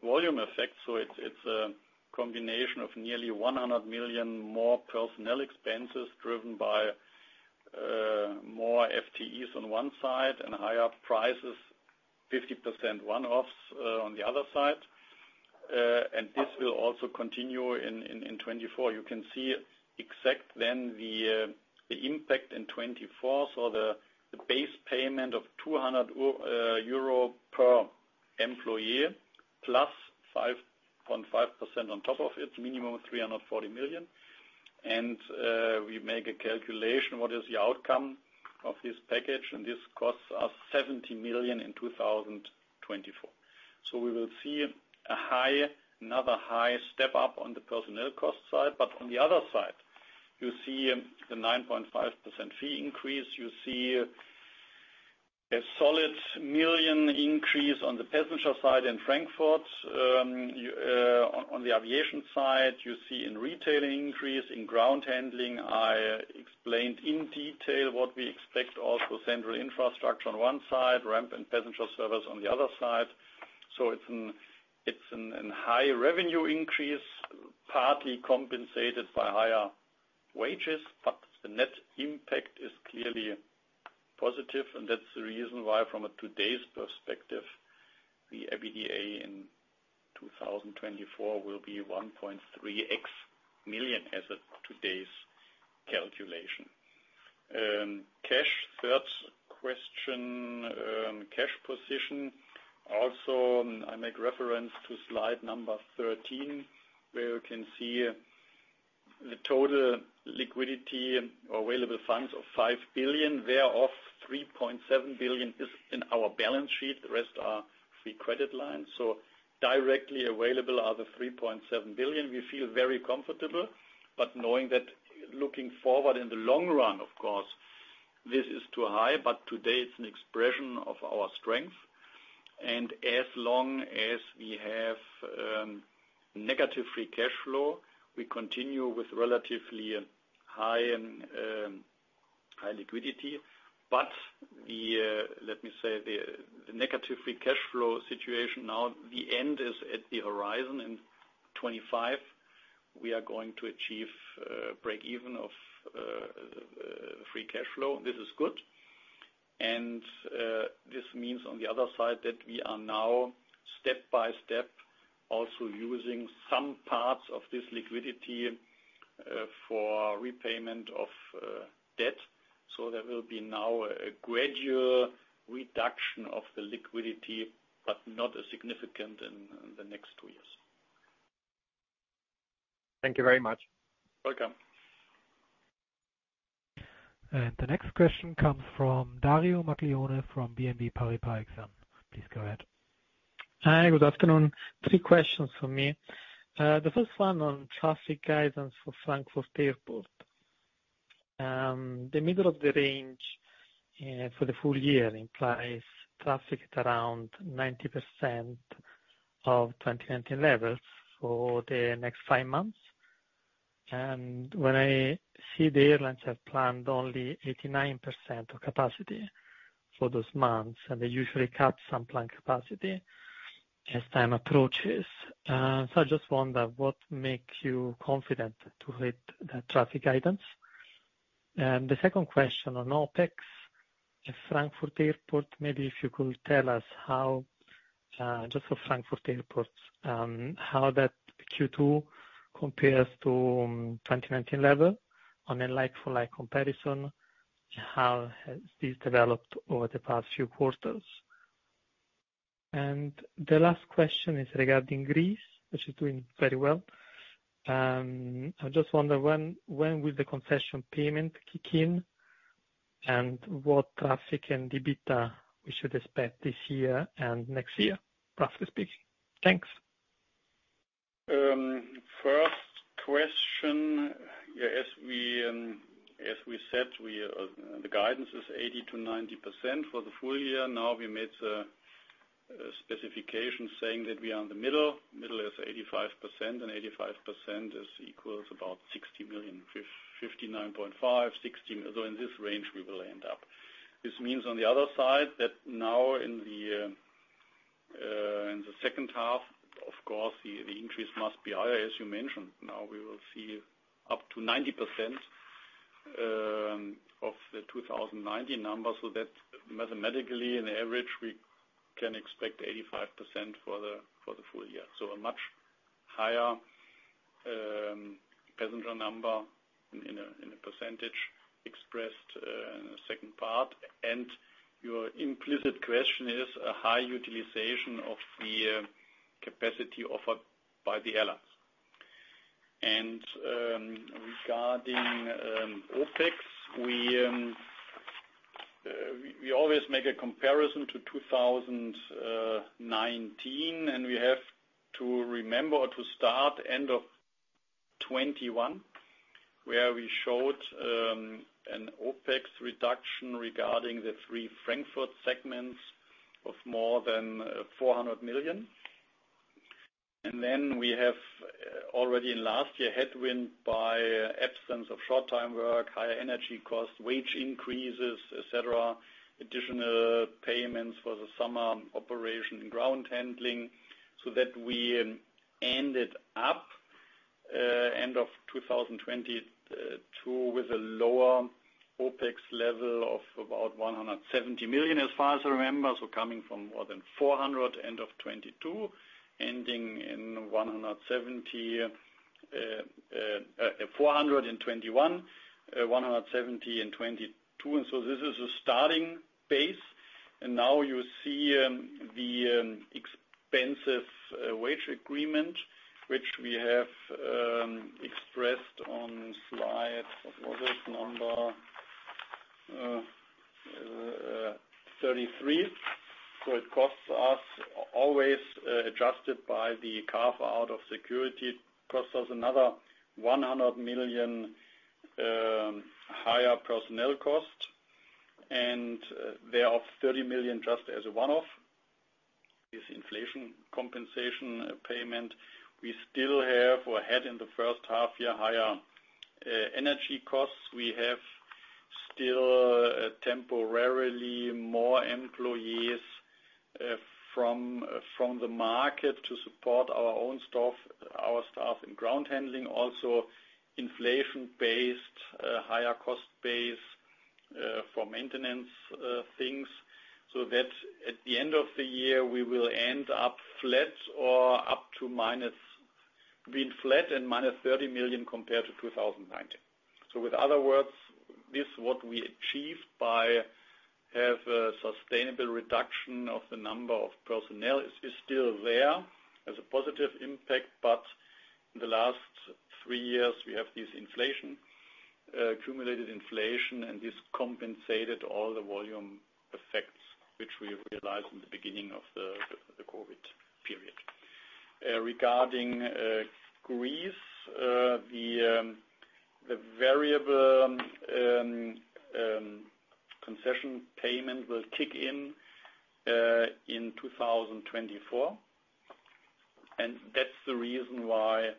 volume effect. It's, it's a combination of nearly 100 million more personnel expenses, driven by more FTEs on one side and higher prices, 50% one-offs on the other side. This will also continue in 2024. You can see exact then the impact in 2024, so the base payment of 200 euro per employee, plus 5.5% on top of it, minimum of 340 million. We make a calculation, what is the outcome of this package? This costs us 70 million in 2024. We will see a high, another high step-up on the personnel cost side. On the other side-... You see the 9.5% fee increase. You see a solid 1 million increase on the passenger side in Frankfurt. On, on the aviation side, you see in retailing increase, in ground handling. I explained in detail what we expect also central infrastructure on one side, ramp and passenger service on the other side. It's a high revenue increase, partly compensated by higher wages, but the net impact is clearly positive, and that's the reason why, from a today's perspective, the EBITDA in 2024 will be EUR 1.3x million as of today's calculation. Cash, third question. Cash position, also, I make reference to Slide 13, where you can see the total liquidity or available funds of 5 billion, whereof 3.7 billion is in our balance sheet, the rest are free credit lines. Directly available are the 3.7 billion. We feel very comfortable, but knowing that looking forward in the long run, of course, this is too high, but today it's an expression of our strength. As long as we have negative free cash flow, we continue with relatively high liquidity. The, let me say, the negative free cash flow situation now, the end is at the horizon. In 25, we are going to achieve breakeven of free cash flow. This is good. This means on the other side, that we are now step by step, also using some parts of this liquidity for repayment of debt. There will be now a gradual reduction of the liquidity, but not a significant in, in the next two years. Thank you very much. Welcome. The next question comes from Dario Maglioni, from BNP Paribas Exane. Please go ahead. Hi, good afternoon. Three questions for me. The first one on traffic guidance for Frankfurt Airport. The middle of the range for the full year implies traffic at around 90% of 2019 levels for the next five months. When I see the airlines have planned only 89% of capacity for those months, and they usually cut some planned capacity as time approaches. I just wonder, what makes you confident to hit the traffic guidance? The second question on OpEx, at Frankfurt Airport, maybe if you could tell us how, just for Frankfurt Airport, how that Q2 compares to 2019 level on a like-for-like comparison, how has this developed over the past few quarters? The last question is regarding Greece, which is doing very well. I just wonder when, when will the concession payment kick in, and what traffic and EBITDA we should expect this year and next year, roughly speaking? Thanks. First question, yes, we, as we said, we, the guidance is 80%-90% for the full year. We made a specification saying that we are in the middle. Middle is 85%, and 85% is equals about 60 million, 59.5, 60. In this range, we will end up. This means on the other side, that now in the second half, of course, the increase must be higher, as you mentioned. We will see up to 90% of the 2019 numbers, so that mathematically, in average, we can expect 85% for the full year. A much higher passenger number in a percentage expressed in the second part. Your implicit question is a high utilization of the capacity offered by the airlines. Regarding OpEx, we always make a comparison to 2019, and we have to remember or to start end of 2021, where we showed an OpEx reduction regarding the three Frankfurt segments of more than 400 million. We have already in last year, headwind by absence of short-time work, high energy costs, wage increases, et cetera, additional payments for the summer operation and ground handling, so that we ended up end of 2022, with a lower OpEx level of about 170 million, as far as I remember. Coming from more than 400, end of 2022, ending in 170, 400 in 2021, 170 in 2022. This is a starting base, and now you see the expensive wage agreement, which we have expressed on slide, what was this number? 33. It costs us always, adjusted by the carve out of security, costs us another 100 million higher personnel cost, and there are 30 million just as a one-off. This inflation compensation payment, we still have or had in the first half year, higher energy costs. We have still temporarily more employees, from, from the market to support our own staff, our staff in ground handling, also inflation-based, higher cost base, for maintenance, things, so that at the end of the year, we will end up flat or up to minus, being flat and minus 30 million compared to 2019. With other words, this is what we achieved by have a sustainable reduction of the number of personnel is, is still there as a positive impact, but in the last 3 years, we have this inflation, accumulated inflation, and this compensated all the volume effects, which we realized in the beginning of the, the COVID period. Regarding Greece, the variable concession payment will kick in in 2024. That's the reason why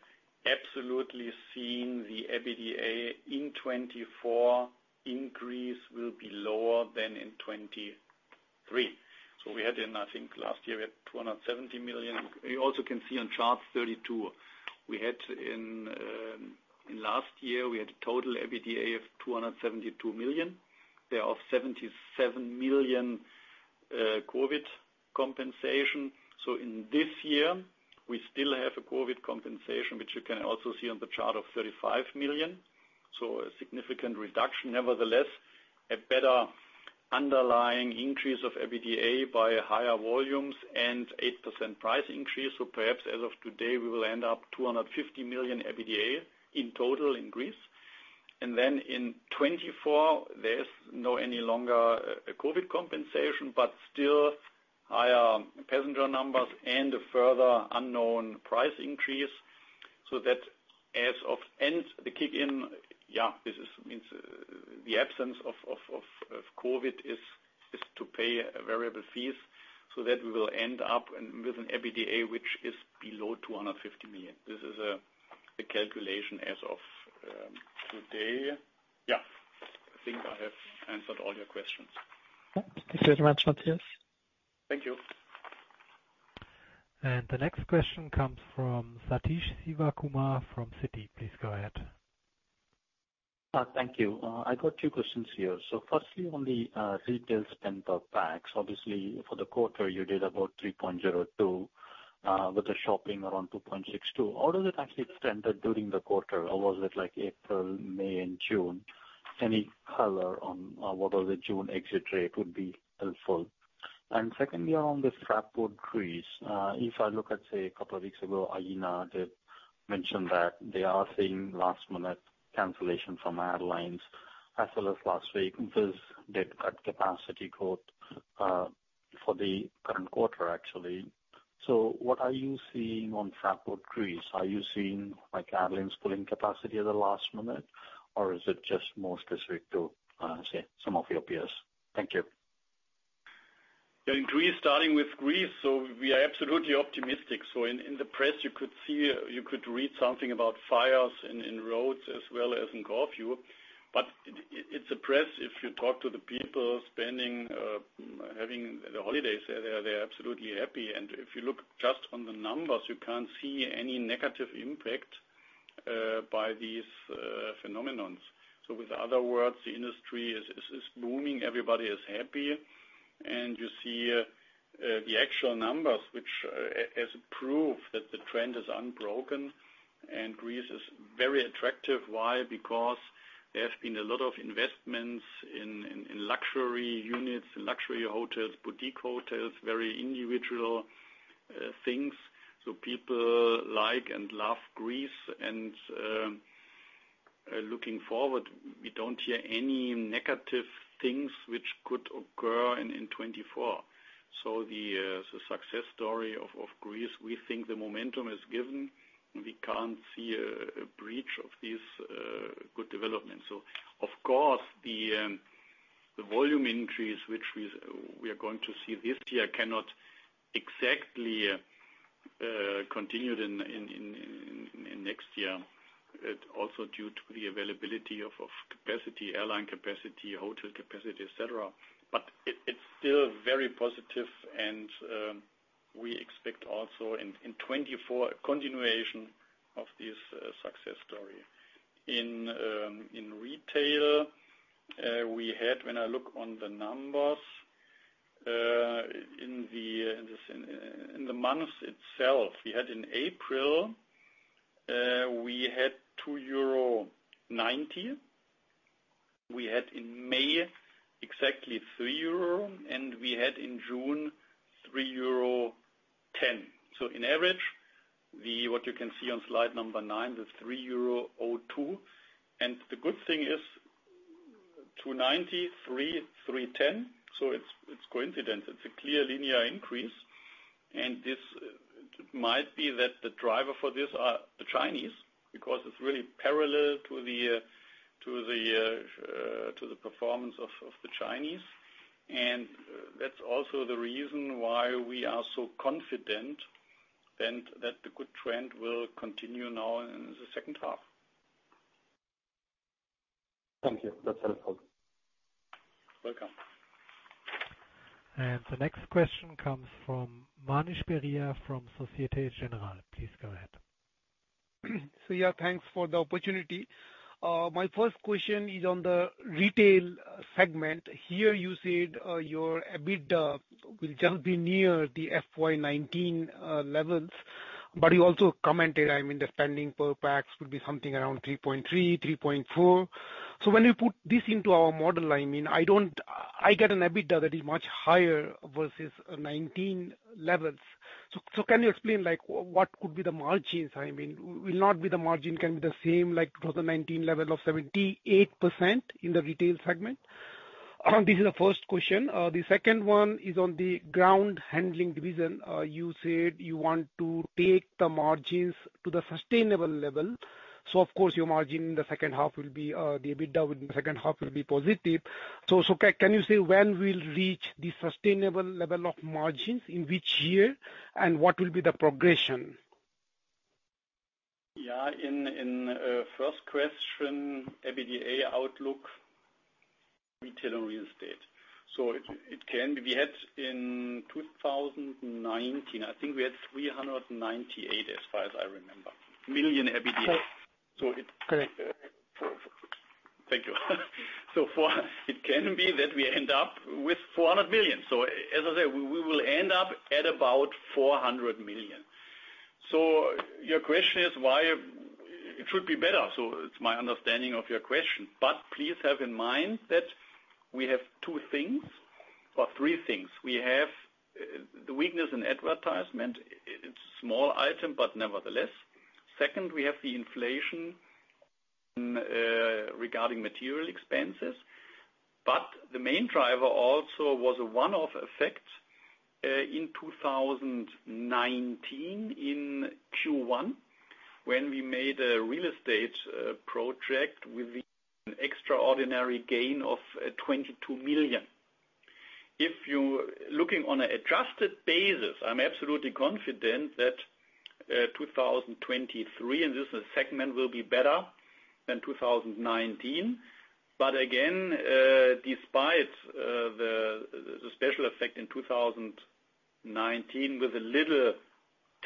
absolutely seeing the EBITDA in 2024 increase will be lower than in 2023. We had in, I think last year, we had 270 million. You also can see on chart 32, we had in, in last year, we had a total EBITDA of 272 million. There are 77 million COVID compensation. In this year, we still have a COVID compensation, which you can also see on the chart of 35 million. A significant reduction. A better underlying increase of EBITDA by higher volumes and 8% price increase. Perhaps as of today, we will end up 250 million EBITDA in total in Greece. In 2024, there's no any longer a COVID compensation, but still higher passenger numbers and a further unknown price increase. That as of end, the kick in, yeah, this is, means the absence of, of, of, of COVID is, is to pay variable fees, so that we will end up with an EBITDA, which is below 250 million. This is a, a calculation as of today. Yeah, I think I have answered all your questions. Thank you very much, Matthias. Thank you. The next question comes from Satish Sivakumar from Citi. Please go ahead. Thank you. I got two questions here. Firstly, on the retail spend of PAX, obviously for the quarter, you did about 3.02 with the shopping around 2.62. How does it actually extended during the quarter, or was it like April, May and June? Any color on what are the June exit rate would be helpful. Secondly, on this Fraport Greece, if I look at, say, a couple of weeks ago, Aegean did mention that they are seeing last-minute cancellations from airlines, as well as last week, because they've cut capacity growth for the current quarter, actually. What are you seeing on Fraport Greece? Are you seeing, like, airlines pulling capacity at the last minute, or is it just more specific to, say, some of your peers? Thank you. In Greece, starting with Greece, we are absolutely optimistic. In, in the press, you could see, you could read something about fires in, in Rhodes as well as in Corfu. It, it's a press, if you talk to the people spending, having the holidays, they are, they're absolutely happy. If you look just on the numbers, you can't see any negative impact, by these, phenomenons. With other words, the industry is, is, is booming, everybody is happy, and you see, the actual numbers, which, is proof that the trend is unbroken, and Greece is very attractive. Why? Because there have been a lot of investments in, in, in luxury units, luxury hotels, boutique hotels, very individual, things. People like and love Greece, and looking forward, we don't hear any negative things which could occur in 2024. The success story of Greece, we think the momentum is given, we can't see a breach of this good development. Of course, the volume increase, which we are going to see this year, cannot exactly continue in next year. It also due to the availability of capacity, airline capacity, hotel capacity, et cetera. It's still very positive, and we expect also in 2024 a continuation of this success story. In retail, we had, when I look on the numbers, in the months itself, we had in April, we had 2.90. We had in May, exactly 3 euro, and we had in June, 3.10 euro. In average? The, what you can see on Slide number 9, the 3.02 euro. The good thing is, 2.90, 3, 3.10, so it's, it's coincidence. It's a clear linear increase, and this might be that the driver for this are the Chinese, because it's really parallel to the, to the, to the performance of, of the Chinese. That's also the reason why we are so confident, and that the good trend will continue now in the second half. Thank you. That's helpful. Welcome. The next question comes from Manish Beria, from Societe Generale. Please go ahead. Yeah, thanks for the opportunity. My first question is on the retail segment. Here, you said, your EBITDA will just be near the FY 2019 levels. You also commented, I mean, the spending per pax would be something around 3.3-3.4. When you put this into our model, I mean, I get an EBITDA that is much higher versus 2019 levels. Can you explain, like, what could be the margins? I mean, will not be the margin can be the same, like, 2019 level of 78% in the retail segment? This is the first question. The second one is on the Ground Handling division. You said you want to take the margins to the sustainable level. Of course, your margin in the second half will be the EBITDA in the second half will be positive. Can you say when we'll reach the sustainable level of margins, in which year, and what will be the progression? Yeah, in, first question, EBITDA outlook, retail and real estate. It can be, we had in 2019, I think we had 398 million EBITDA. Correct. Thank you. It can be that we end up with 400 million. As I said, we will end up at about 400 million. Your question is why it should be better, so it's my understanding of your question. Please have in mind that we have two things or three things. We have the weakness in advertisement. It's small item, but nevertheless. Second, we have the inflation regarding material expenses. The main driver also was a one-off effect in 2019, in Q1, when we made a real estate project with an extraordinary gain of 22 million. If you're looking on an adjusted basis, I'm absolutely confident that 2023, and this segment will be better than 2019. Again, despite the, the special effect in 2019 with a little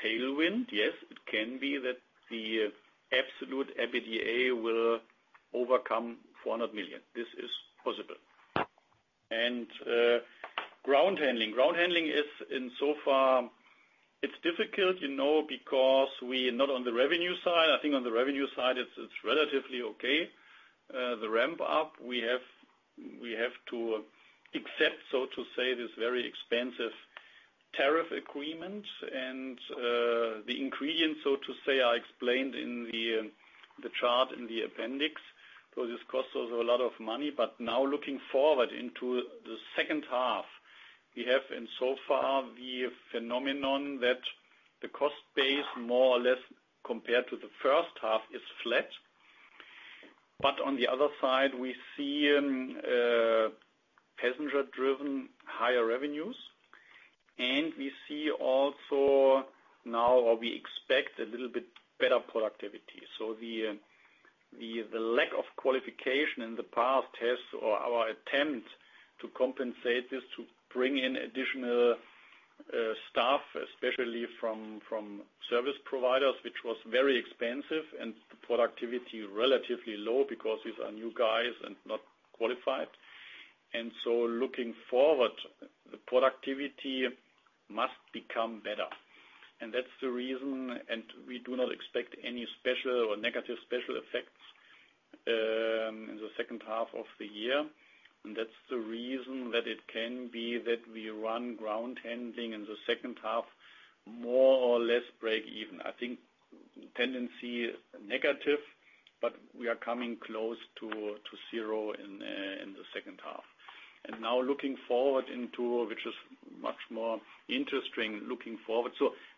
tailwind, yes, it can be that the absolute EBITDA will overcome 400 million. This is possible. Ground handling. Ground handling is in so far, it's difficult, you know, because we are not on the revenue side. I think on the revenue side, it's, it's relatively okay. The ramp up, we have, we have to accept, so to say, this very expensive tariff agreement. The ingredients, so to say, I explained in the, the chart in the appendix. This costs us a lot of money, but now looking forward into the second half, we have, and so far, the phenomenon that the cost base, more or less, compared to the first half, is flat. On the other side, we see passenger-driven higher revenues, and we see also now, or we expect a little bit better productivity. The, the lack of qualification in the past has, or our attempt to compensate this, to bring in additional staff, especially from, from service providers, which was very expensive and the productivity relatively low because these are new guys and not qualified. Looking forward, the productivity must become better. That's the reason, and we do not expect any special or negative special effects in the second half of the year. That's the reason that it can be that we run ground handling in the second half, more or less, break even. I think tendency negative, but we are coming close to, to zero in the second half. Now looking forward into, which is much more interesting, looking forward.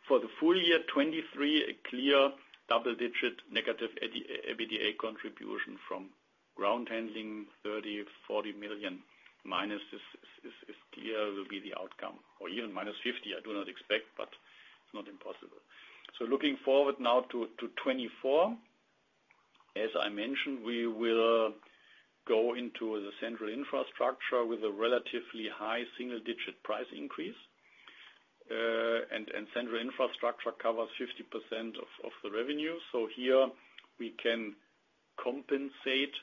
For the full year 2023, a clear double-digit negative EBITDA contribution from ground handling, 30 million-40 million minus is, is, is, clear will be the outcome, or even minus 50 million, I do not expect, but it's not impossible. Looking forward now to 2024, as I mentioned, we will go into the central infrastructure with a relatively high single-digit price increase. And central infrastructure covers 50% of the revenue. Here we can compensate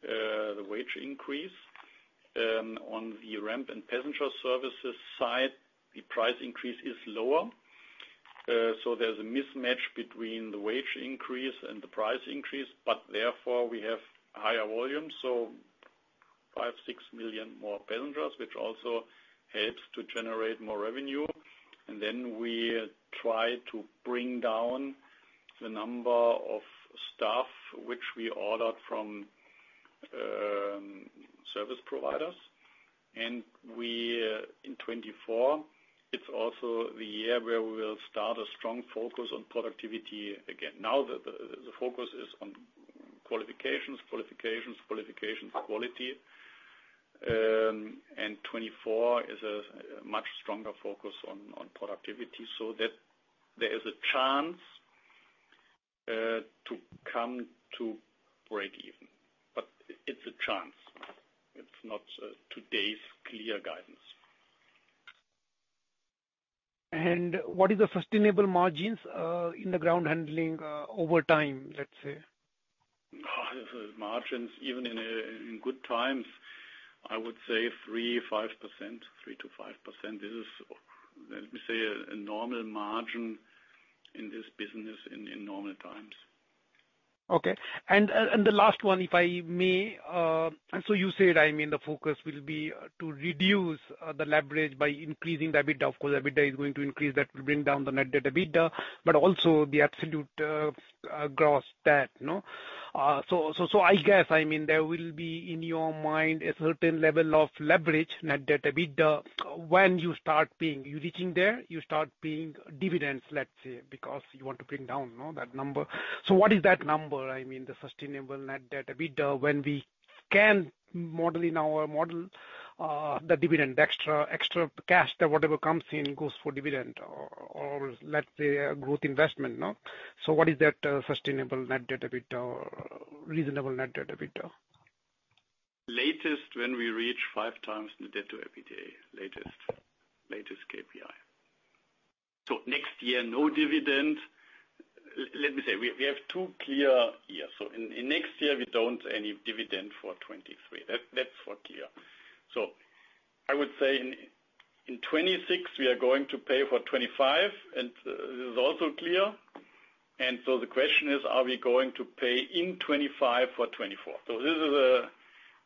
the wage increase. On the ramp and passenger services side, the price increase is lower. There's a mismatch between the wage increase and the price increase, but therefore, we have higher volumes. 5 million-6 million more passengers, which also helps to generate more revenue. We try to bring down the number of staff, which we ordered from service providers. We, in 2024, it's also the year where we will start a strong focus on productivity again. Now, the, the, the focus is on qualifications, qualifications, qualifications, quality. 2024 is a much stronger focus on productivity, so that there is a chance to come to breakeven. It's a chance, it's not today's clear guidance. What is the sustainable margins, in the ground handling, over time, let's say? Margins, even in good times, I would say 3, 5%. 3%-5%. This is, let me say, a normal margin in this business in normal times. Okay. The last one, if I may, you said, I mean, the focus will be to reduce the leverage by increasing the EBITDA. Of course, EBITDA is going to increase, that will bring down the net debt to EBITDA, but also the absolute gross debt, no? I guess, I mean, there will be, in your mind, a certain level of leverage, net debt to EBITDA. When you start paying, you're reaching there, you start paying dividends, let's say, because you want to bring down, no, that number. So what is that number? I mean, the sustainable net debt to EBITDA, when we can model in our model, the dividend, extra, extra cash, that whatever comes in, goes for dividend or, or let's say, a growth investment, no? What is that, sustainable net debt to EBITDA or reasonable net debt to EBITDA? Latest, when we reach 5 times net debt to EBITDA, latest, latest KPI. Next year, no dividend. Let me say, we, we have two clear years. In, in next year, we don't any dividend for 2023. That, that's for clear. I would say in, in 2026, we are going to pay for 2025, and this is also clear. The question is: Are we going to pay in 2025 for 2024? This is,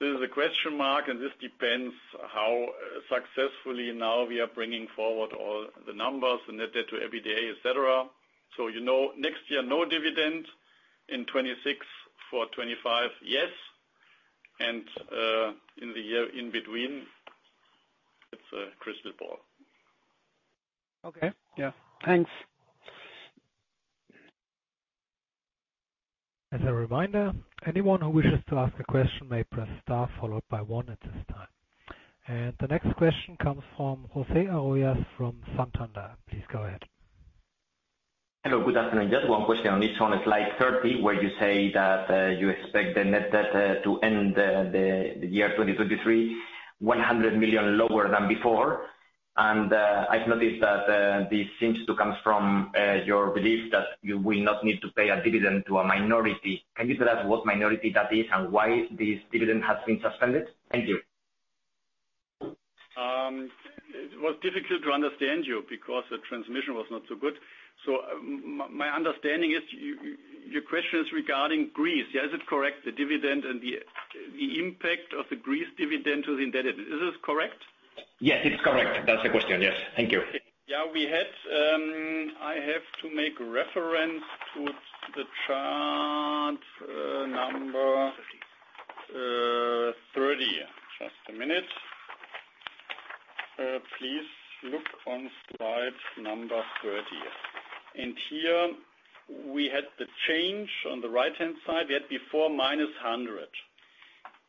this is a question mark, and this depends how successfully now we are bringing forward all the numbers, the net debt to EBITDA, et cetera. You know, next year, no dividend. In 2026 for 2025, yes. In the year in between, it's a crystal ball. Okay. Yeah. Thanks. As a reminder, anyone who wishes to ask a question may press star followed by one at this time. The next question comes from Jose Arroyas from Santander. Please go ahead. Hello, good afternoon. Just one question on this one, slide 30, where you say that you expect the net debt to end the year 2023, 100 million lower than before. I've noticed that this seems to come from your belief that you will not need to pay a dividend to a minority. Can you tell us what minority that is, and why this dividend has been suspended? Thank you. It was difficult to understand you because the transmission was not so good. My understanding is your question is regarding Greece. Is it correct, the dividend and the, the impact of the Greece dividend to the indebted? Is this correct? Yes, it's correct. That's the question. Yes. Thank you. Yeah, we had, I have to make reference to the chart, number 30. Just a minute. Please look on Slide 30. Here we had the change on the right-hand side. We had before, minus 100,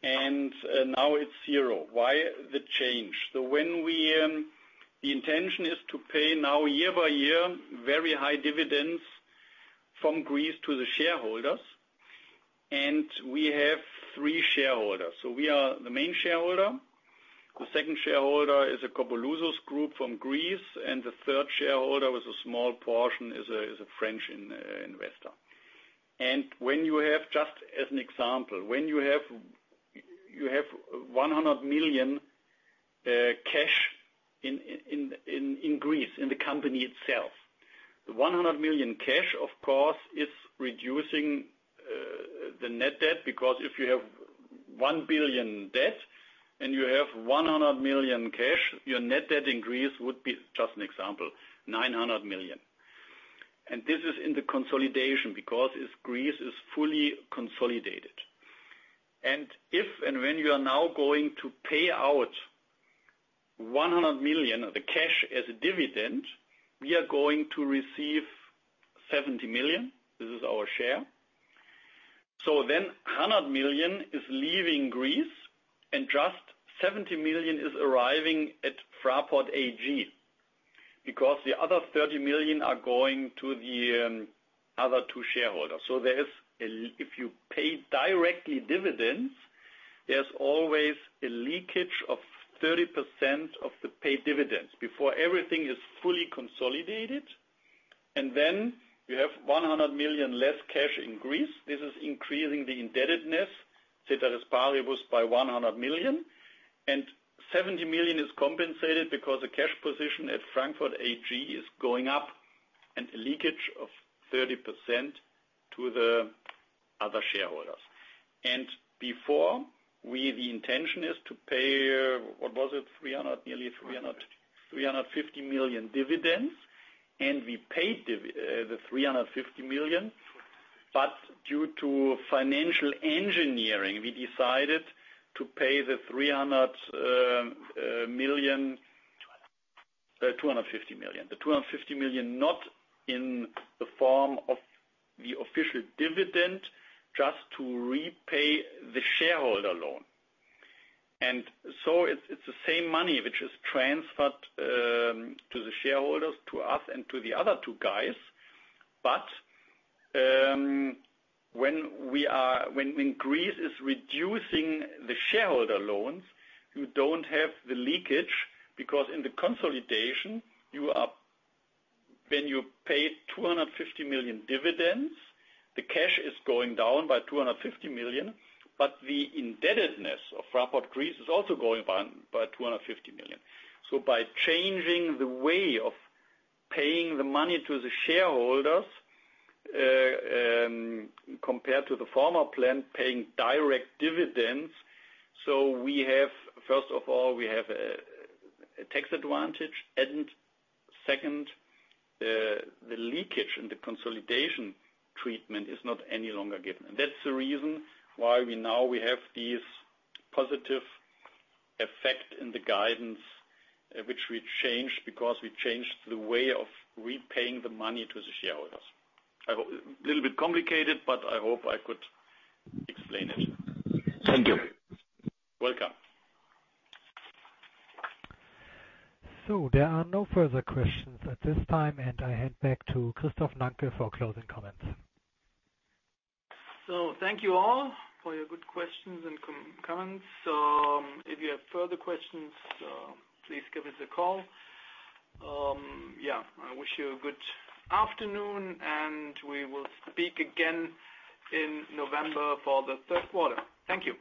and now it's 0. Why the change? When we, the intention is to pay now year-by-year, very high dividends from Greece to the shareholders, and we have 3 shareholders. We are the main shareholder. The second shareholder is a Copelouzos Group from Greece, and the third shareholder, with a small portion, is a French investor. When you have, just as an example, when you have, you have 100 million cash in Greece, in the company itself. The 100 million cash, of course, is reducing the net debt, because if you have 1 billion debt and you have 100 million cash, your net debt in Greece would be, just an example, 900 million. This is in the consolidation, because Greece is fully consolidated. If and when you are now going to pay out 100 million, the cash, as a dividend, we are going to receive 70 million. This is our share. Then 100 million is leaving Greece, and just 70 million is arriving at Fraport AG, because the other 30 million are going to the other two shareholders. There is a if you pay directly dividends, there's always a leakage of 30% of the paid dividends before everything is fully consolidated. Then you have 100 million less cash in Greece. This is increasing the indebtedness, ceteris paribus, by 100 million. Seventy million is compensated because the cash position at Fraport AG is going up and a leakage of 30% - the other shareholders. Before, we the intention is to pay, what was it? 300 million, nearly 300 million, 350 million dividends. We paid the 350 million. Due to financial engineering, we decided to pay the 300 million. EUR 250. 250 million. The 250 million, not in the form of the official dividend, just to repay the shareholder loan. So it's the same money which is transferred to the shareholders, to us, and to the other two guys. When Greece is reducing the shareholder loans, you don't have the leakage, because in the consolidation, when you pay 250 million dividends, the cash is going down by 250 million, but the indebtedness of Fraport Greece is also going down by 250 million. By changing the way of paying the money to the shareholders, compared to the former plan, paying direct dividends, we have, first of all, a tax advantage. Second, the leakage in the consolidation treatment is not any longer given. That's the reason why we now we have these positive effect in the guidance, which we changed, because we changed the way of repaying the money to the shareholders. I hope, a little bit complicated, but I hope I could explain it. Thank you. Welcome. There are no further questions at this time, and I hand back to Christoph Nänkel for closing comments. Thank you all for your good questions and comments. If you have further questions, please give us a call. Yeah, I wish you a good afternoon, and we will speak again in November for the Q3. Thank you.